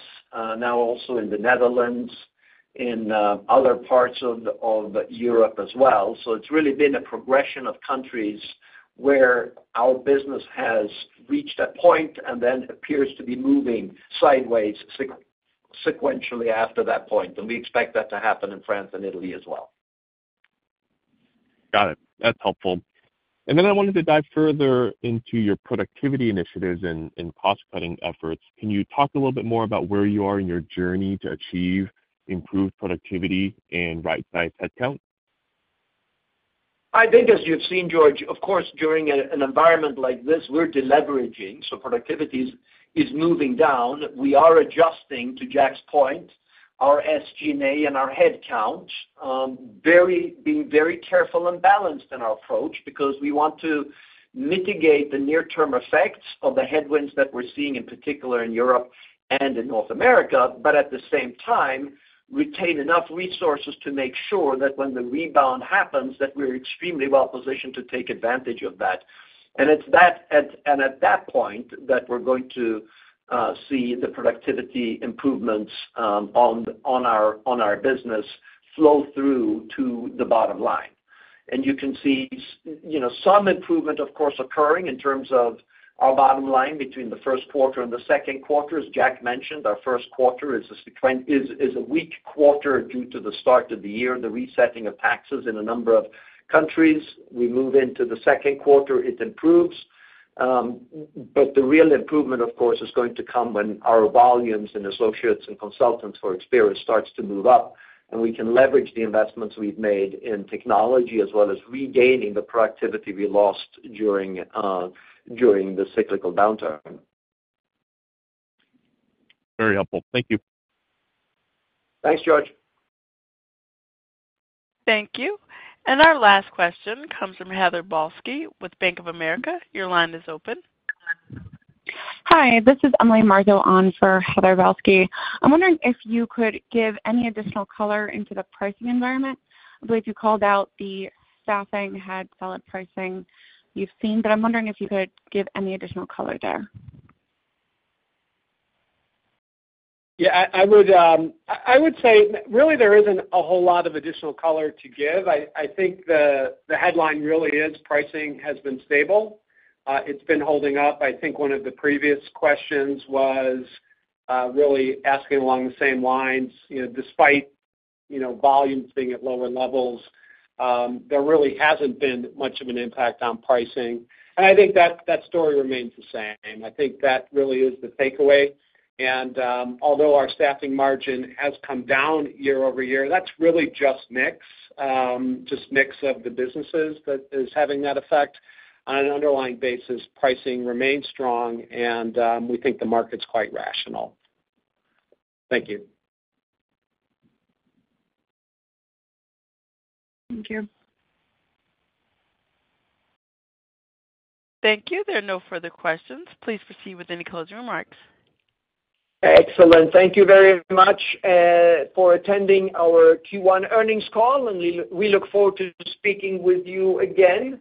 now also in the Netherlands, in other parts of Europe as well. So it's really been a progression of countries where our business has reached that point and then appears to be moving sideways sequentially after that point. And we expect that to happen in France and Italy as well. Got it. That's helpful. And then I wanted to dive further into your productivity initiatives and cost-cutting efforts. Can you talk a little bit more about where you are in your journey to achieve improved productivity and right-sized headcount? I think, as you've seen, George, of course, during an environment like this, we're deleveraging. So productivity is moving down. We are adjusting, to Jack's point, our SG&A and our headcount, being very careful and balanced in our approach because we want to mitigate the near-term effects of the headwinds that we're seeing, in particular, in Europe and in North America but, at the same time, retain enough resources to make sure that when the rebound happens, that we're extremely well-positioned to take advantage of that. And it's at that point that we're going to see the productivity improvements on our business flow through to the bottom line. You can see some improvement, of course, occurring in terms of our bottom line between the first quarter and the second quarter. As Jack mentioned, our first quarter is a weak quarter due to the start of the year, the resetting of taxes in a number of countries. We move into the second quarter. It improves. But the real improvement, of course, is going to come when our volumes in associates and consultants for Experis starts to move up. And we can leverage the investments we've made in technology as well as regaining the productivity we lost during the cyclical downturn. Very helpful. Thank you. Thanks, George. Thank you. And our last question comes from Heather Balsky with Bank of America. Your line is open. Hi. This is Emily Marso on for Heather Balsky. I'm wondering if you could give any additional color into the pricing environment. I believe you called out the staffing had solid pricing you've seen. But I'm wondering if you could give any additional color there. Yeah. I would say, really, there isn't a whole lot of additional color to give. I think the headline really is pricing has been stable. It's been holding up. I think one of the previous questions was really asking along the same lines. Despite volumes being at lower levels, there really hasn't been much of an impact on pricing. And I think that story remains the same. I think that really is the takeaway. And although our staffing margin has come down year-over-year, that's really just mix of the businesses that is having that effect. On an underlying basis, pricing remains strong. And we think the market's quite rational. Thank you. Thank you. Thank you. There are no further questions. Please proceed with any closing remarks. Excellent. Thank you very much for attending our Q1 Earnings Call. We look forward to speaking with you again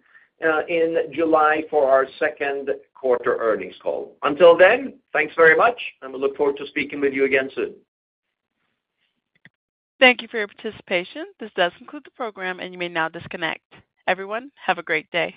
in July for our second quarter earnings call. Until then, thanks very much. We look forward to speaking with you again soon. Thank you for your participation. This does conclude the program. You may now disconnect. Everyone, have a great day.